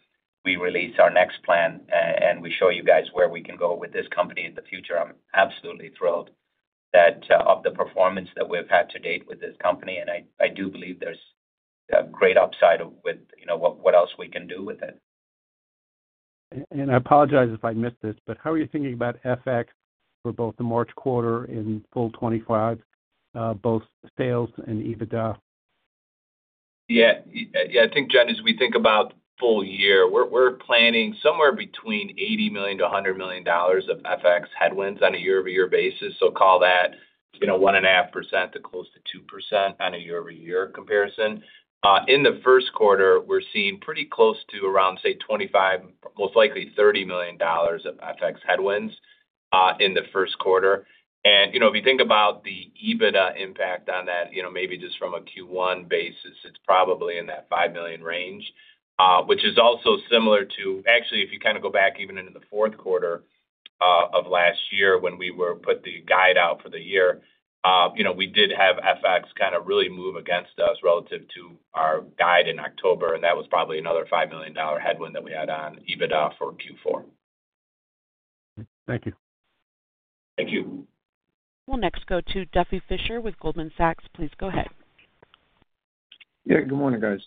we release our next plan and we show you guys where we can go with this company in the future. I'm absolutely thrilled of the performance that we've had to date with this company. I do believe there's a great upside with what else we can do with it. I apologize if I missed this, but how are you thinking about FX for both the March quarter in full 2025, both sales and EBITDA? Yeah. Yeah. I think, John, as we think about full year, we're planning somewhere between $80 million-$100 million of FX headwinds on a year-over-year basis. So call that 1.5% to close to 2% on a year-over-year comparison. In the first quarter, we're seeing pretty close to around, say, $25 million-$30 million of FX headwinds in the first quarter. And if you think about the EBITDA impact on that, maybe just from a Q1 basis, it's probably in that $5 million range, which is also similar to actually, if you kind of go back even into the fourth quarter of last year when we put the guide out for the year, we did have FX kind of really move against us relative to our guide in October. And that was probably another $5 million headwind that we had on EBITDA for Q4. Thank you. Thank you. We'll next go to Duffy Fischer with Goldman Sachs. Please go ahead. Yeah. Good morning, guys.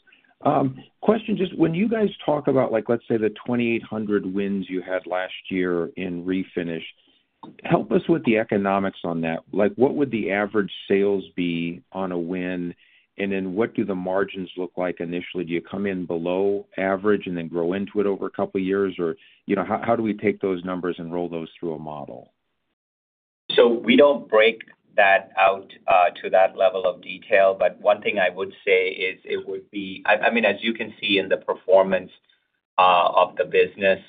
Just when you guys talk about, let's say, the 2,800 wins you had last year in Refinish, help us with the economics on that. What would the average sales be on a win? And then what do the margins look like initially? Do you come in below average and then grow into it over a couple of years? Or how do we take those numbers and roll those through a model? So we don't break that out to that level of detail. But one thing I would say is it would be, I mean, as you can see in the performance of the business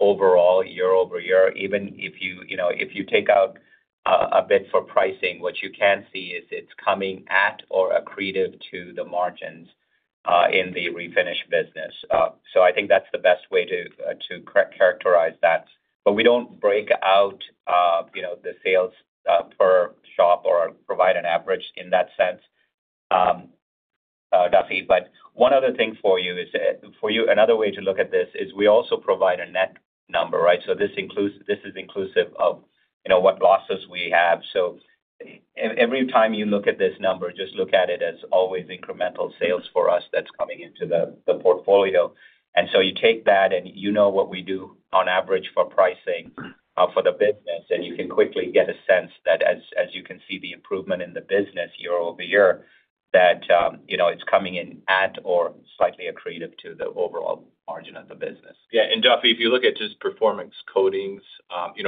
overall, year-over-year, even if you take out a bit for pricing, what you can see is it's coming at or accretive to the margins in the Refinish business. So I think that's the best way to characterize that. But we don't break out the sales per shop or provide an average in that sense, Duffy. But one other thing for you is another way to look at this is we also provide a net number, right? So this is inclusive of what losses we have. So every time you look at this number, just look at it as always incremental sales for us that's coming into the portfolio. And so you take that and you know what we do on average for pricing for the business. And you can quickly get a sense that, as you can see, the improvement in the business year-over-year, that it's coming in at or slightly accretive to the overall margin of the business. Yeah. And Duffy, if you look at just Performance Coatings,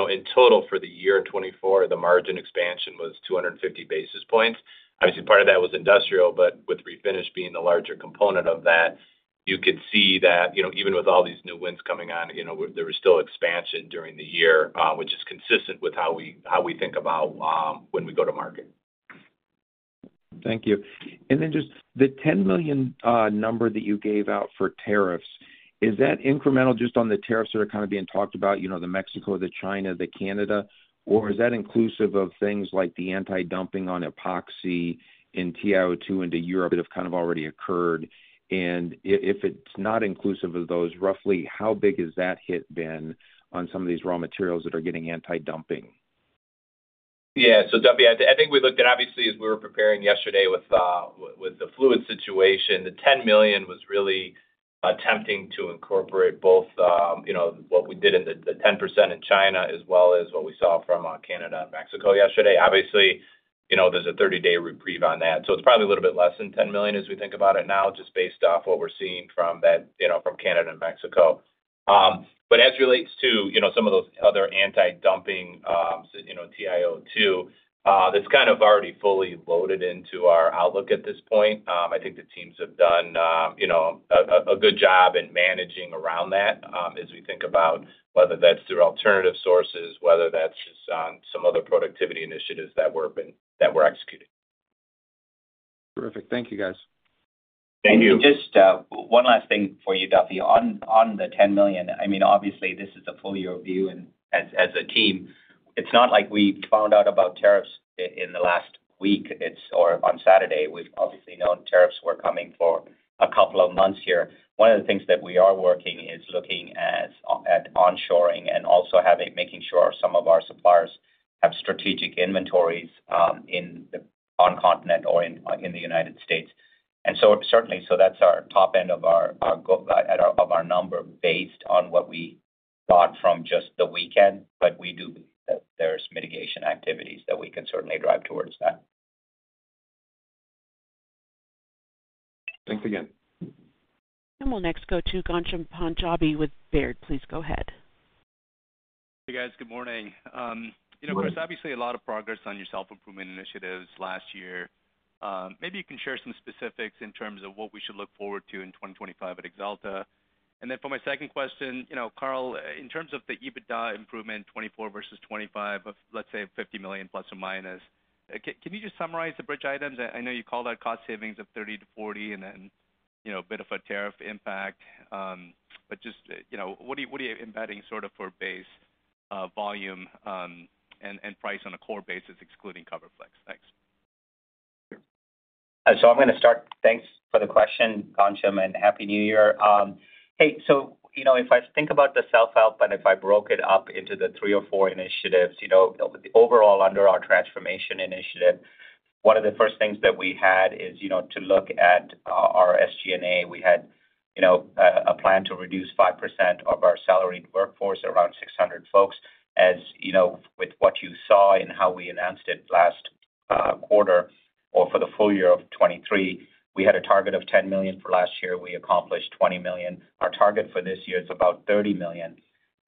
in total for the year 2024, the margin expansion was 250 basis points. Obviously, part of that was Industrial. But with Refinish being the larger component of that, you could see that even with all these new wins coming on, there was still expansion during the year, which is consistent with how we think about when we go to market. Thank you. And then just the $10 million number that you gave out for tariffs, is that incremental just on the tariffs that are kind of being talked about, the Mexico, the China, the Canada? Or is that inclusive of things like the anti-dumping on epoxy and TiO2 into Europe that have kind of already occurred? And if it's not inclusive of those, roughly how big has that hit been on some of these raw materials that are getting anti-dumping? Yeah. Duffy, I think we looked at, obviously, as we were preparing yesterday with the fluid situation, the $10 million was really attempting to incorporate both what we did in the 10% in China as well as what we saw from Canada and Mexico yesterday. Obviously, there's a 30-day reprieve on that. It's probably a little bit less than $10 million as we think about it now, just based off what we're seeing from Canada and Mexico. But as it relates to some of those other anti-dumping TiO2, that's kind of already fully loaded into our outlook at this point. I think the teams have done a good job in managing around that as we think about whether that's through alternative sources, whether that's just on some other productivity initiatives that we're executing. Terrific. Thank you, guys. Thank you. Just one last thing for you, Duffy. On the $10 million, I mean, obviously, this is a full-year view, and as a team, it's not like we found out about tariffs in the last week or on Saturday. We've obviously known tariffs were coming for a couple of months here. One of the things that we are working is looking at onshoring and also making sure some of our suppliers have strategic inventories on continent or in the United States. And so certainly, so that's our top end of our number based on what we got from just the weekend. But we do believe that there's mitigation activities that we can certainly drive towards that. Thanks again. And we'll next go to Ghansham Panjabi with Baird. Please go ahead. Hey, guys. Good morning. Of course, obviously, a lot of progress on your self-improvement initiatives last year. Maybe you can share some specifics in terms of what we should look forward to in 2025 at Axalta. And then for my second question, Carl, in terms of the EBITDA improvement, 2024 versus 2025, let's say $50 million plus or minus, can you just summarize the bridge items? I know you call that cost savings of $30 million-40 million and then a bit of a tariff impact. But just what are you embedding sort of for base volume and price on a core basis, excluding CoverFlexx? Thanks. So I'm going to start. Thanks for the question, Ghansham, and happy New Year. Hey, so if I think about the self-help and if I broke it up into the three or four initiatives, overall under our transformation initiative, one of the first things that we had is to look at our SG&A. We had a plan to reduce 5% of our salaried workforce, around 600 folks. As with what you saw and how we announced it last quarter or for the full year of 2023, we had a target of $10 million for last year. We accomplished $20 million. Our target for this year is about $30 million.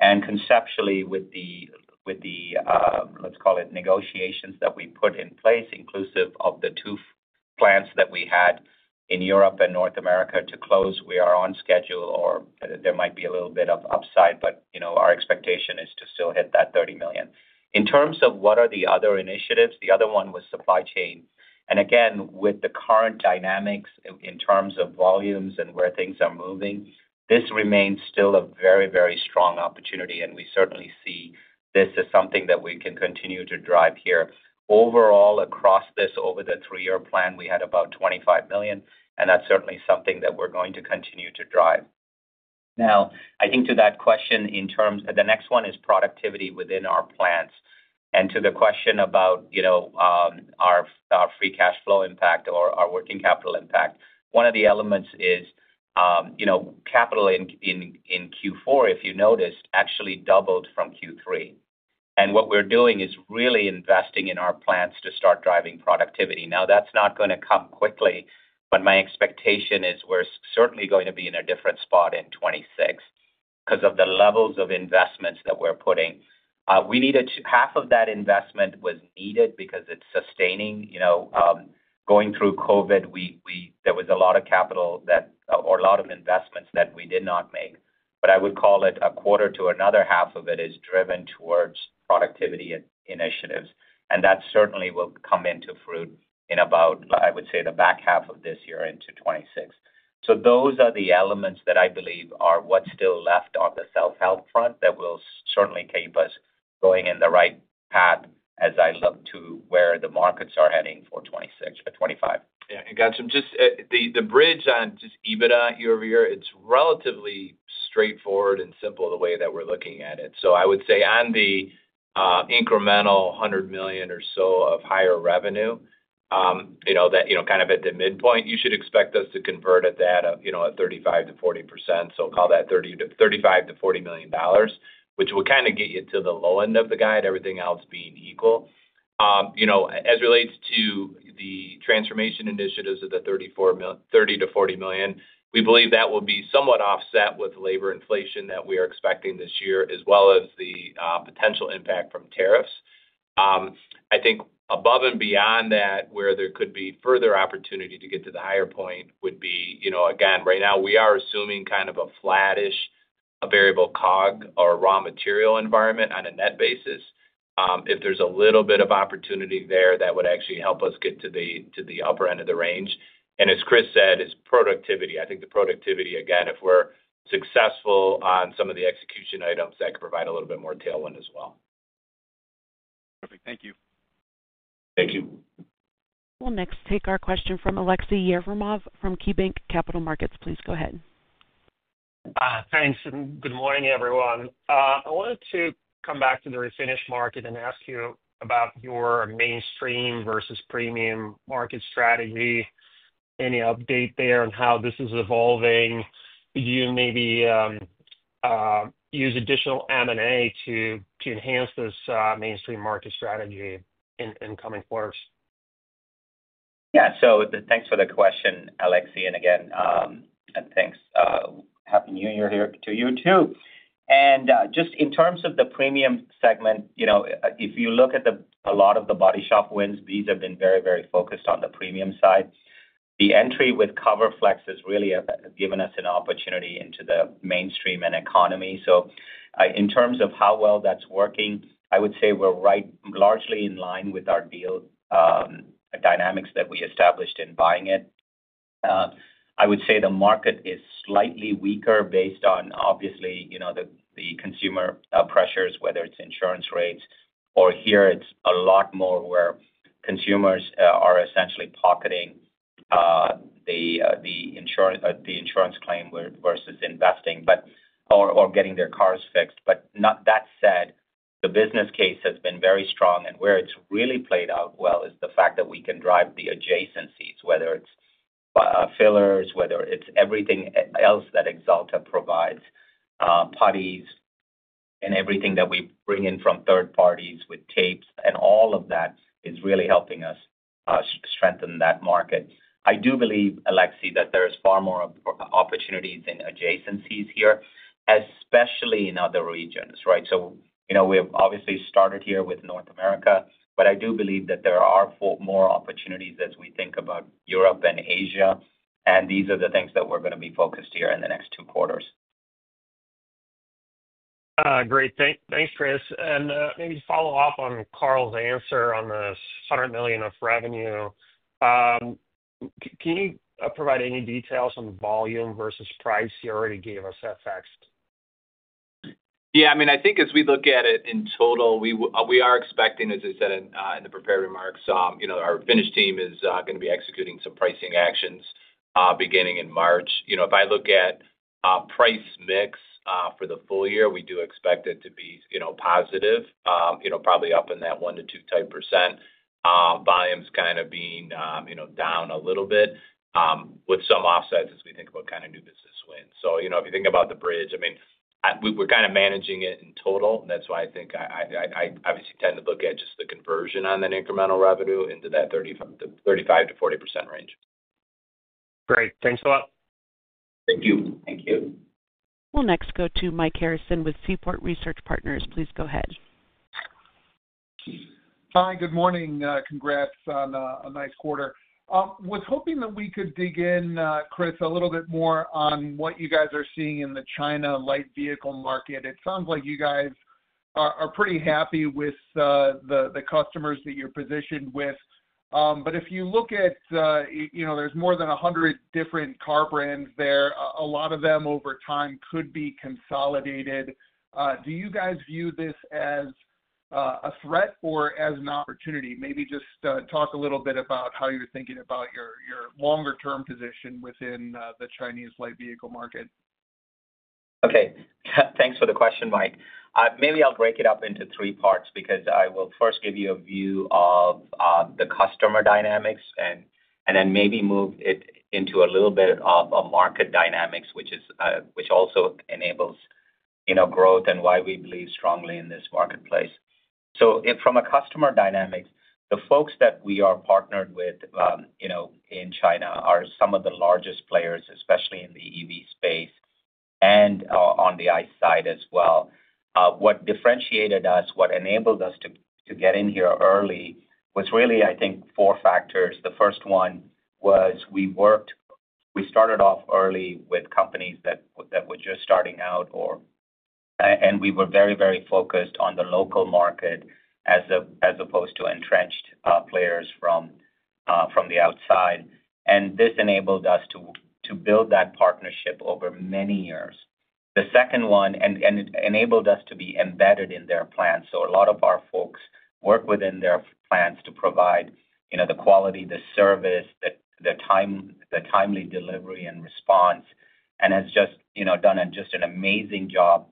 And conceptually, with the, let's call it, negotiations that we put in place, inclusive of the two plants that we had in Europe and North America to close, we are on schedule, or there might be a little bit of upside. But our expectation is to still hit that $30 million. In terms of what are the other initiatives, the other one was supply chain. And again, with the current dynamics in terms of volumes and where things are moving, this remains still a very, very strong opportunity. We certainly see this as something that we can continue to drive here. Overall, across this, over the three-year plan, we had about $25 million. That's certainly something that we're going to continue to drive. Now, I think to that question in terms of the next one is productivity within our plants. To the question about our free cash flow impact or our working capital impact, one of the elements is capital in Q4, if you noticed, actually doubled from Q3. What we're doing is really investing in our plants to start driving productivity. Now, that's not going to come quickly. My expectation is we're certainly going to be in a different spot in 2026 because of the levels of investments that we're putting. Half of that investment was needed because it's sustaining. Going through COVID, there was a lot of capital or a lot of investments that we did not make. But I would call it a quarter to another half of it is driven towards productivity initiatives. And that certainly will come into fruit in about, I would say, the back half of this year into 2026. So those are the elements that I believe are what's still left on the self-help front that will certainly keep us going in the right path as I look to where the markets are heading for 2026 or 2025. Yeah. And Ghansham, just the bridge on just EBITDA year-over-year, it's relatively straightforward and simple the way that we're looking at it. I would say on the incremental $100 million or so of higher revenue, that kind of at the midpoint, you should expect us to convert at that of 35%-40%. Call that $35 million-$40 million, which will kind of get you to the low end of the guide, everything else being equal. As it relates to the transformation initiatives of the $30 million-$40 million, we believe that will be somewhat offset with labor inflation that we are expecting this year, as well as the potential impact from tariffs. I think above and beyond that, where there could be further opportunity to get to the higher point would be, again, right now, we are assuming kind of a flattish variable COGS or raw material environment on a net basis. If there's a little bit of opportunity there, that would actually help us get to the upper end of the range. And as Chris said, it's productivity. I think the productivity, again, if we're successful on some of the execution items, that could provide a little bit more tailwind as well. Perfect. Thank you. Thank you. We'll next take our question from Aleksey Yefremov from KeyBanc Capital Markets. Please go ahead. Thanks. Good morning, everyone. I wanted to come back to the Refinish market and ask you about your mainstream versus premium market strategy, any update there on how this is evolving, you maybe use additional M&A to enhance this mainstream market strategy in coming quarters. Yeah. So thanks for the question, Aleksey. And again, thanks. Happy New Year to you too. Just in terms of the premium segment, if you look at a lot of the body shop wins, these have been very, very focused on the premium side. The entry with CoverFlexx has really given us an opportunity into the mainstream and economy. So in terms of how well that's working, I would say we're largely in line with our deal dynamics that we established in buying it. I would say the market is slightly weaker based on, obviously, the consumer pressures, whether it's insurance rates. Or here, it's a lot more where consumers are essentially pocketing the insurance claim versus investing or getting their cars fixed. But that said, the business case has been very strong. And where it's really played out well is the fact that we can drive the adjacencies, whether it's fillers, whether it's everything else that Axalta provides, putties, and everything that we bring in from third parties with tapes. And all of that is really helping us strengthen that market. I do believe, Aleksey, that there are far more opportunities in adjacencies here, especially in other regions, right? So we have obviously started here with North America. But I do believe that there are more opportunities as we think about Europe and Asia. And these are the things that we're going to be focused here in the next two quarters. Great. Thanks, Chris. And maybe follow up on Carl's answer on the $100 million of revenue. Can you provide any details on the volume versus price you already gave us ex-FX? Yeah. I mean, I think as we look at it in total, we are expecting, as I said in the prepared remarks, our Refinish team is going to be executing some pricing actions beginning in March. If I look at price mix for the full year, we do expect it to be positive, probably up in that 1%-2%. Volume's kind of being down a little bit with some offsets as we think about kind of new business wins. So if you think about the bridge, I mean, we're kind of managing it in total. And that's why I think I obviously tend to look at just the conversion on that incremental revenue into that 35%-40% range. Great. Thanks a lot. Thank you. Thank you. We'll next go to Mike Harrison with Seaport Research Partners. Please go ahead. Hi. Good morning. Congrats on a nice quarter. I was hoping that we could dig in, Chris, a little bit more on what you guys are seeing in the China Light Vehicle market. It sounds like you guys are pretty happy with the customers that you're positioned with. But if you look at, there's more than 100 different car brands there. A lot of them over time could be consolidated. Do you guys view this as a threat or as an opportunity? Maybe just talk a little bit about how you're thinking about your longer-term position within the Chinese Light Vehicle market. Okay. Thanks for the question, Mike. Maybe I'll break it up into three parts because I will first give you a view of the customer dynamics and then maybe move it into a little bit of market dynamics, which also enables growth and why we believe strongly in this marketplace. From a customer dynamic, the folks that we are partnered with in China are some of the largest players, especially in the EV space and on the ICE side as well. What differentiated us, what enabled us to get in here early was really, I think, four factors. The first one was we started off early with companies that were just starting out, and we were very, very focused on the local market as opposed to entrenched players from the outside. And this enabled us to build that partnership over many years. The second one, and it enabled us to be embedded in their plans. So a lot of our folks work within their plans to provide the quality, the service, the timely delivery and response, and has just done just an amazing job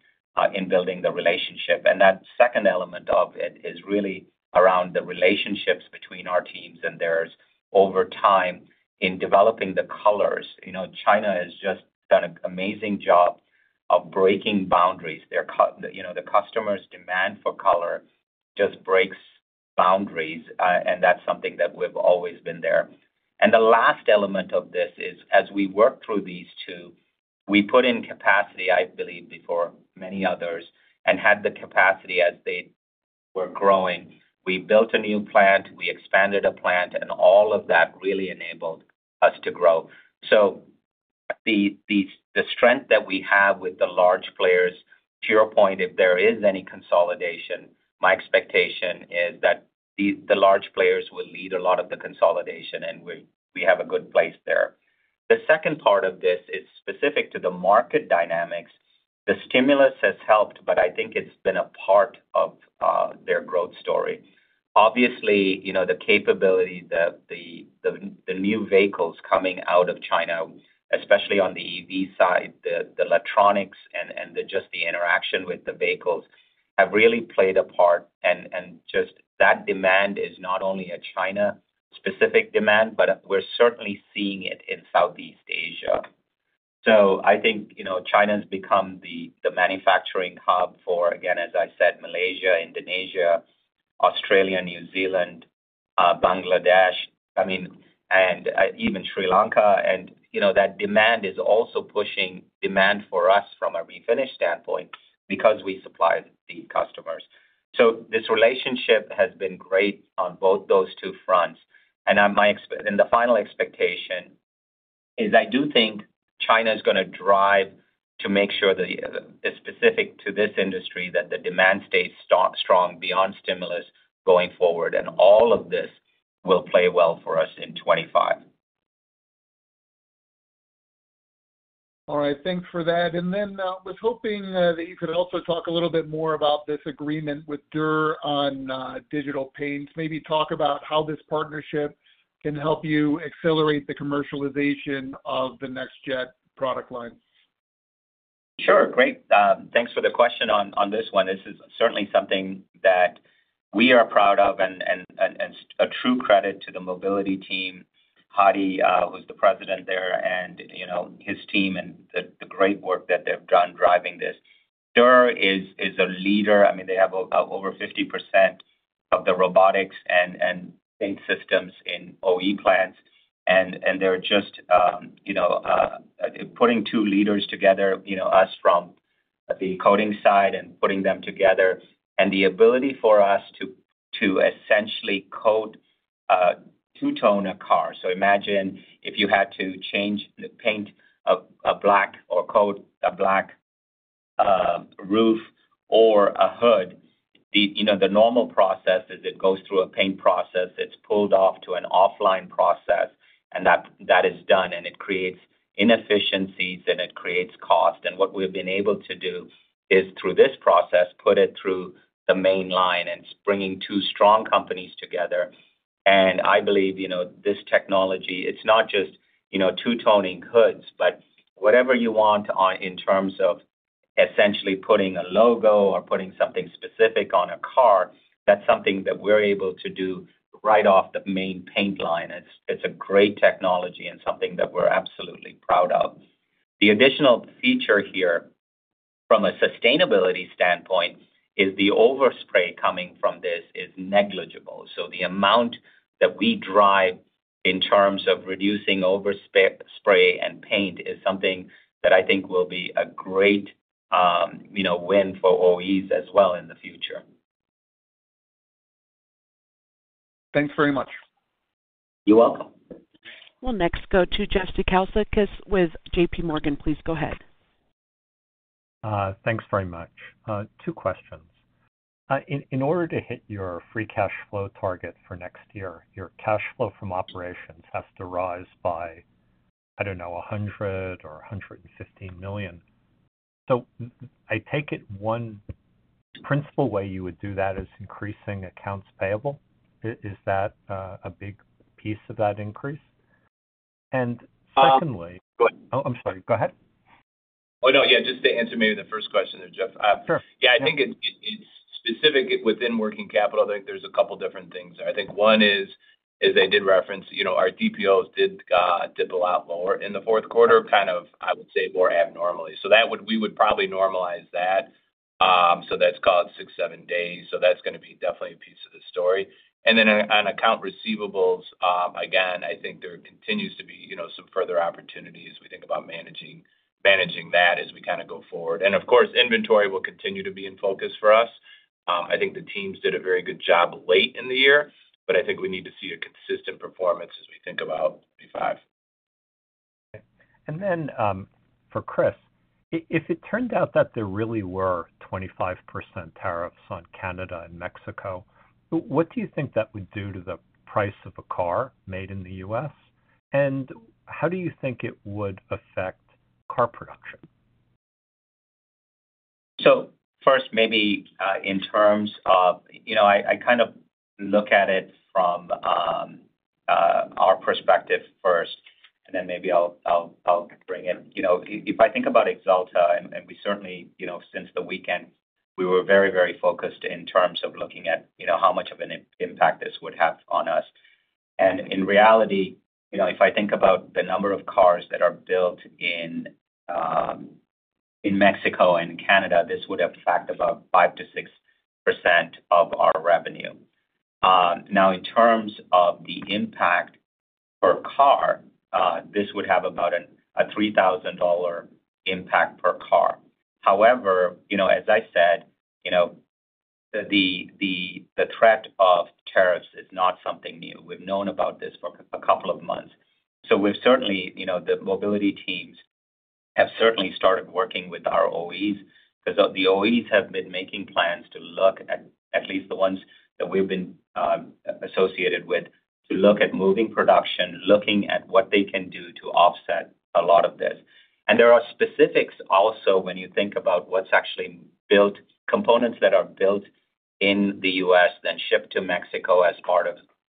in building the relationship. And that second element of it is really around the relationships between our teams and theirs over time in developing the colors. China has just done an amazing job of breaking boundaries. The customer's demand for color just breaks boundaries. And that's something that we've always been there. And the last element of this is, as we work through these two, we put in capacity, I believe, before many others, and had the capacity as they were growing. We built a new plant. We expanded a plant. And all of that really enabled us to grow. So the strength that we have with the large players, to your point, if there is any consolidation, my expectation is that the large players will lead a lot of the consolidation, and we have a good place there. The second part of this is specific to the market dynamics. The stimulus has helped, but I think it's been a part of their growth story. Obviously, the capability, the new vehicles coming out of China, especially on the EV side, the electronics, and just the interaction with the vehicles have really played a part, and just that demand is not only a China-specific demand, but we're certainly seeing it in Southeast Asia, so I think China has become the manufacturing hub for, again, as I said, Malaysia, Indonesia, Australia, New Zealand, Bangladesh, I mean, and even Sri Lanka, and that demand is also pushing demand for us from a Refinish standpoint because we supply the customers, so this relationship has been great on both those two fronts, and the final expectation is I do think China is going to drive to make sure specific to this industry that the demand stays strong beyond stimulus going forward. And all of this will play well for us in 2025. All right. Thanks for that. And then I was hoping that you could also talk a little bit more about this agreement with Dürr on digital paints, maybe talk about how this partnership can help you accelerate the commercialization of the next-gen product line. Sure. Great. Thanks for the question on this one. This is certainly something that we are proud of and a true credit to the mobility team, Hadi, who's the president there, and his team and the great work that they've done driving this. Dürr is a leader. I mean, they have over 50% of the robotics and paint systems in OE plants. And they're just putting two leaders together, us from the coating side and putting them together. And the ability for us to essentially coat two-tone a car. So imagine if you had to change the paint, a black, or coat a black roof or a hood. The normal process is it goes through a paint process. It's pulled off to an offline process. And that is done. And it creates inefficiencies, and it creates cost. And what we've been able to do is, through this process, put it through the main line and bringing two strong companies together. And I believe this technology, it's not just two-toning hoods, but whatever you want in terms of essentially putting a logo or putting something specific on a car, that's something that we're able to do right off the main paint line. It's a great technology and something that we're absolutely proud of. The additional feature here from a sustainability standpoint is the overspray coming from this is negligible. So the amount that we drive in terms of reducing overspray and paint is something that I think will be a great win for OEs as well in the future. Thanks very much. You're welcome. We'll next go to Jeff Zekauskas with JPMorgan. Please go ahead. Thanks very much. Two questions. In order to hit your free cash flow target for next year, your cash flow from operations has to rise by, I don't know, $100 million or $115 million. So I take it one principal way you would do that is increasing accounts payable. Is that a big piece of that increase? And secondly. Oh, I'm sorry. Go ahead. Oh, no. Yeah. Just to answer maybe the first question there, Jeff. Yeah. I think it's specific within working capital. I think there's a couple of different things there. I think one is, as I did reference, our DPOs did dip a lot lower in the fourth quarter, kind of, I would say, more abnormally, so we would probably normalize that, so that's called six, seven days, so that's going to be definitely a piece of the story, and then on account receivables, again, I think there continues to be some further opportunities we think about managing that as we kind of go forward, and of course, inventory will continue to be in focus for us. I think the teams did a very good job late in the year, but I think we need to see a consistent performance as we think about 2025. Okay. And then for Chris, if it turned out that there really were 25% tariffs on Canada and Mexico, what do you think that would do to the price of a car made in the U.S.? And how do you think it would affect car production? So first, maybe in terms of, I kind of look at it from our perspective first, and then maybe I'll bring in, if I think about Axalta, and we certainly, since the weekend, we were very, very focused in terms of looking at how much of an impact this would have on us. And in reality, if I think about the number of cars that are built in Mexico and Canada, this would affect about 5%-6% of our revenue. Now, in terms of the impact per car, this would have about a $3,000 impact per car. However, as I said, the threat of tariffs is not something new. We've known about this for a couple of months. So certainly, the mobility teams have certainly started working with our OEs because the OEs have been making plans to look, at least the ones that we've been associated with, to look at moving production, looking at what they can do to offset a lot of this. And there are specifics also when you think about what's actually built components that are built in the U.S., then shipped to Mexico as part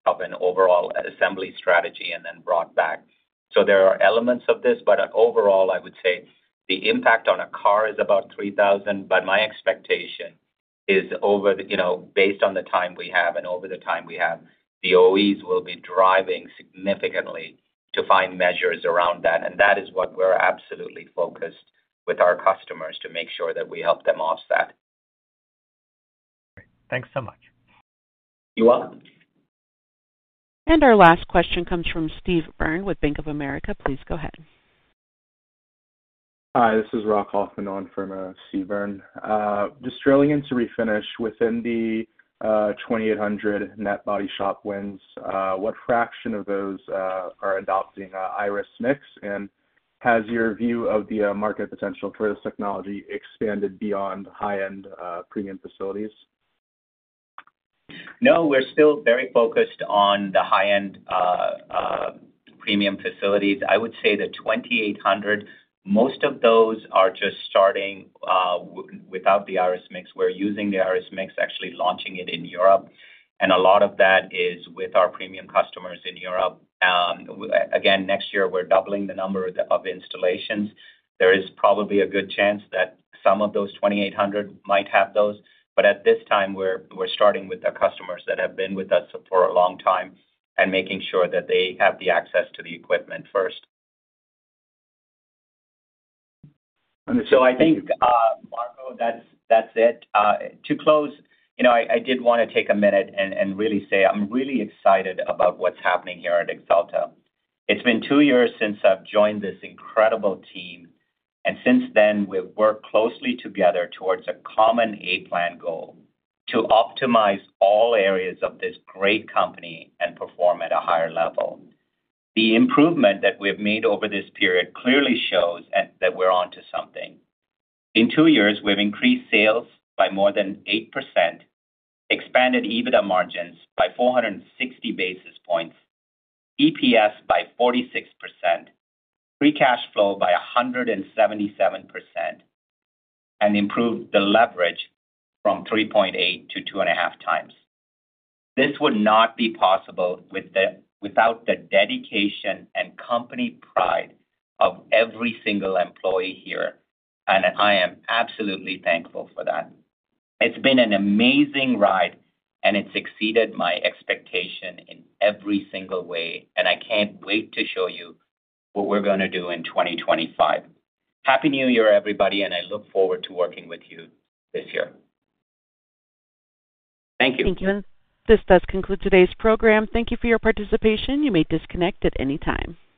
of an overall assembly strategy and then brought back. So there are elements of this. But overall, I would say the impact on a car is about $3,000. But my expectation is, based on the time we have and over the time we have, the OEs will be driving significantly to find measures around that. And that is what we're absolutely focused with our customers to make sure that we help them offset. Great. Thanks so much. You're welcome. Our last question comes from Steve Byrne with Bank of America. Please go ahead. Hi. This is Rock Hoffman on for Steve Byrne. Just drilling into Refinish within the 2,800 net body shop wins, what fraction of those are adopting Irus Mix? And has your view of the market potential for this technology expanded beyond high-end premium facilities? No, we're still very focused on the high-end premium facilities. I would say the 2,800, most of those are just starting without the Irus Mix. We're using the Irus Mix, actually launching it in Europe. And a lot of that is with our premium customers in Europe. Again, next year, we're doubling the number of installations. There is probably a good chance that some of those 2,800 might have those. But at this time, we're starting with the customers that have been with us for a long time and making sure that they have the access to the equipment first. So I think, Rock, that's it. To close, I did want to take a minute and really say I'm really excited about what's happening here at Axalta. It's been two years since I've joined this incredible team, and since then, we've worked closely together towards a common A-Plan goal to optimize all areas of this great company and perform at a higher level. The improvement that we've made over this period clearly shows that we're onto something. In two years, we've increased sales by more than 8%, expanded EBITDA margins by 460 basis points, EPS by 46%, free cash flow by 177%, and improved the leverage from 3.8 to 2.5 times. This would not be possible without the dedication and company pride of every single employee here, and I am absolutely thankful for that. It's been an amazing ride, and it's exceeded my expectation in every single way, and I can't wait to show you what we're going to do in 2025. Happy New Year, everybody, and I look forward to working with you this year. Thank you. Thank you, and this does conclude today's program. Thank you for your participation. You may disconnect at any time.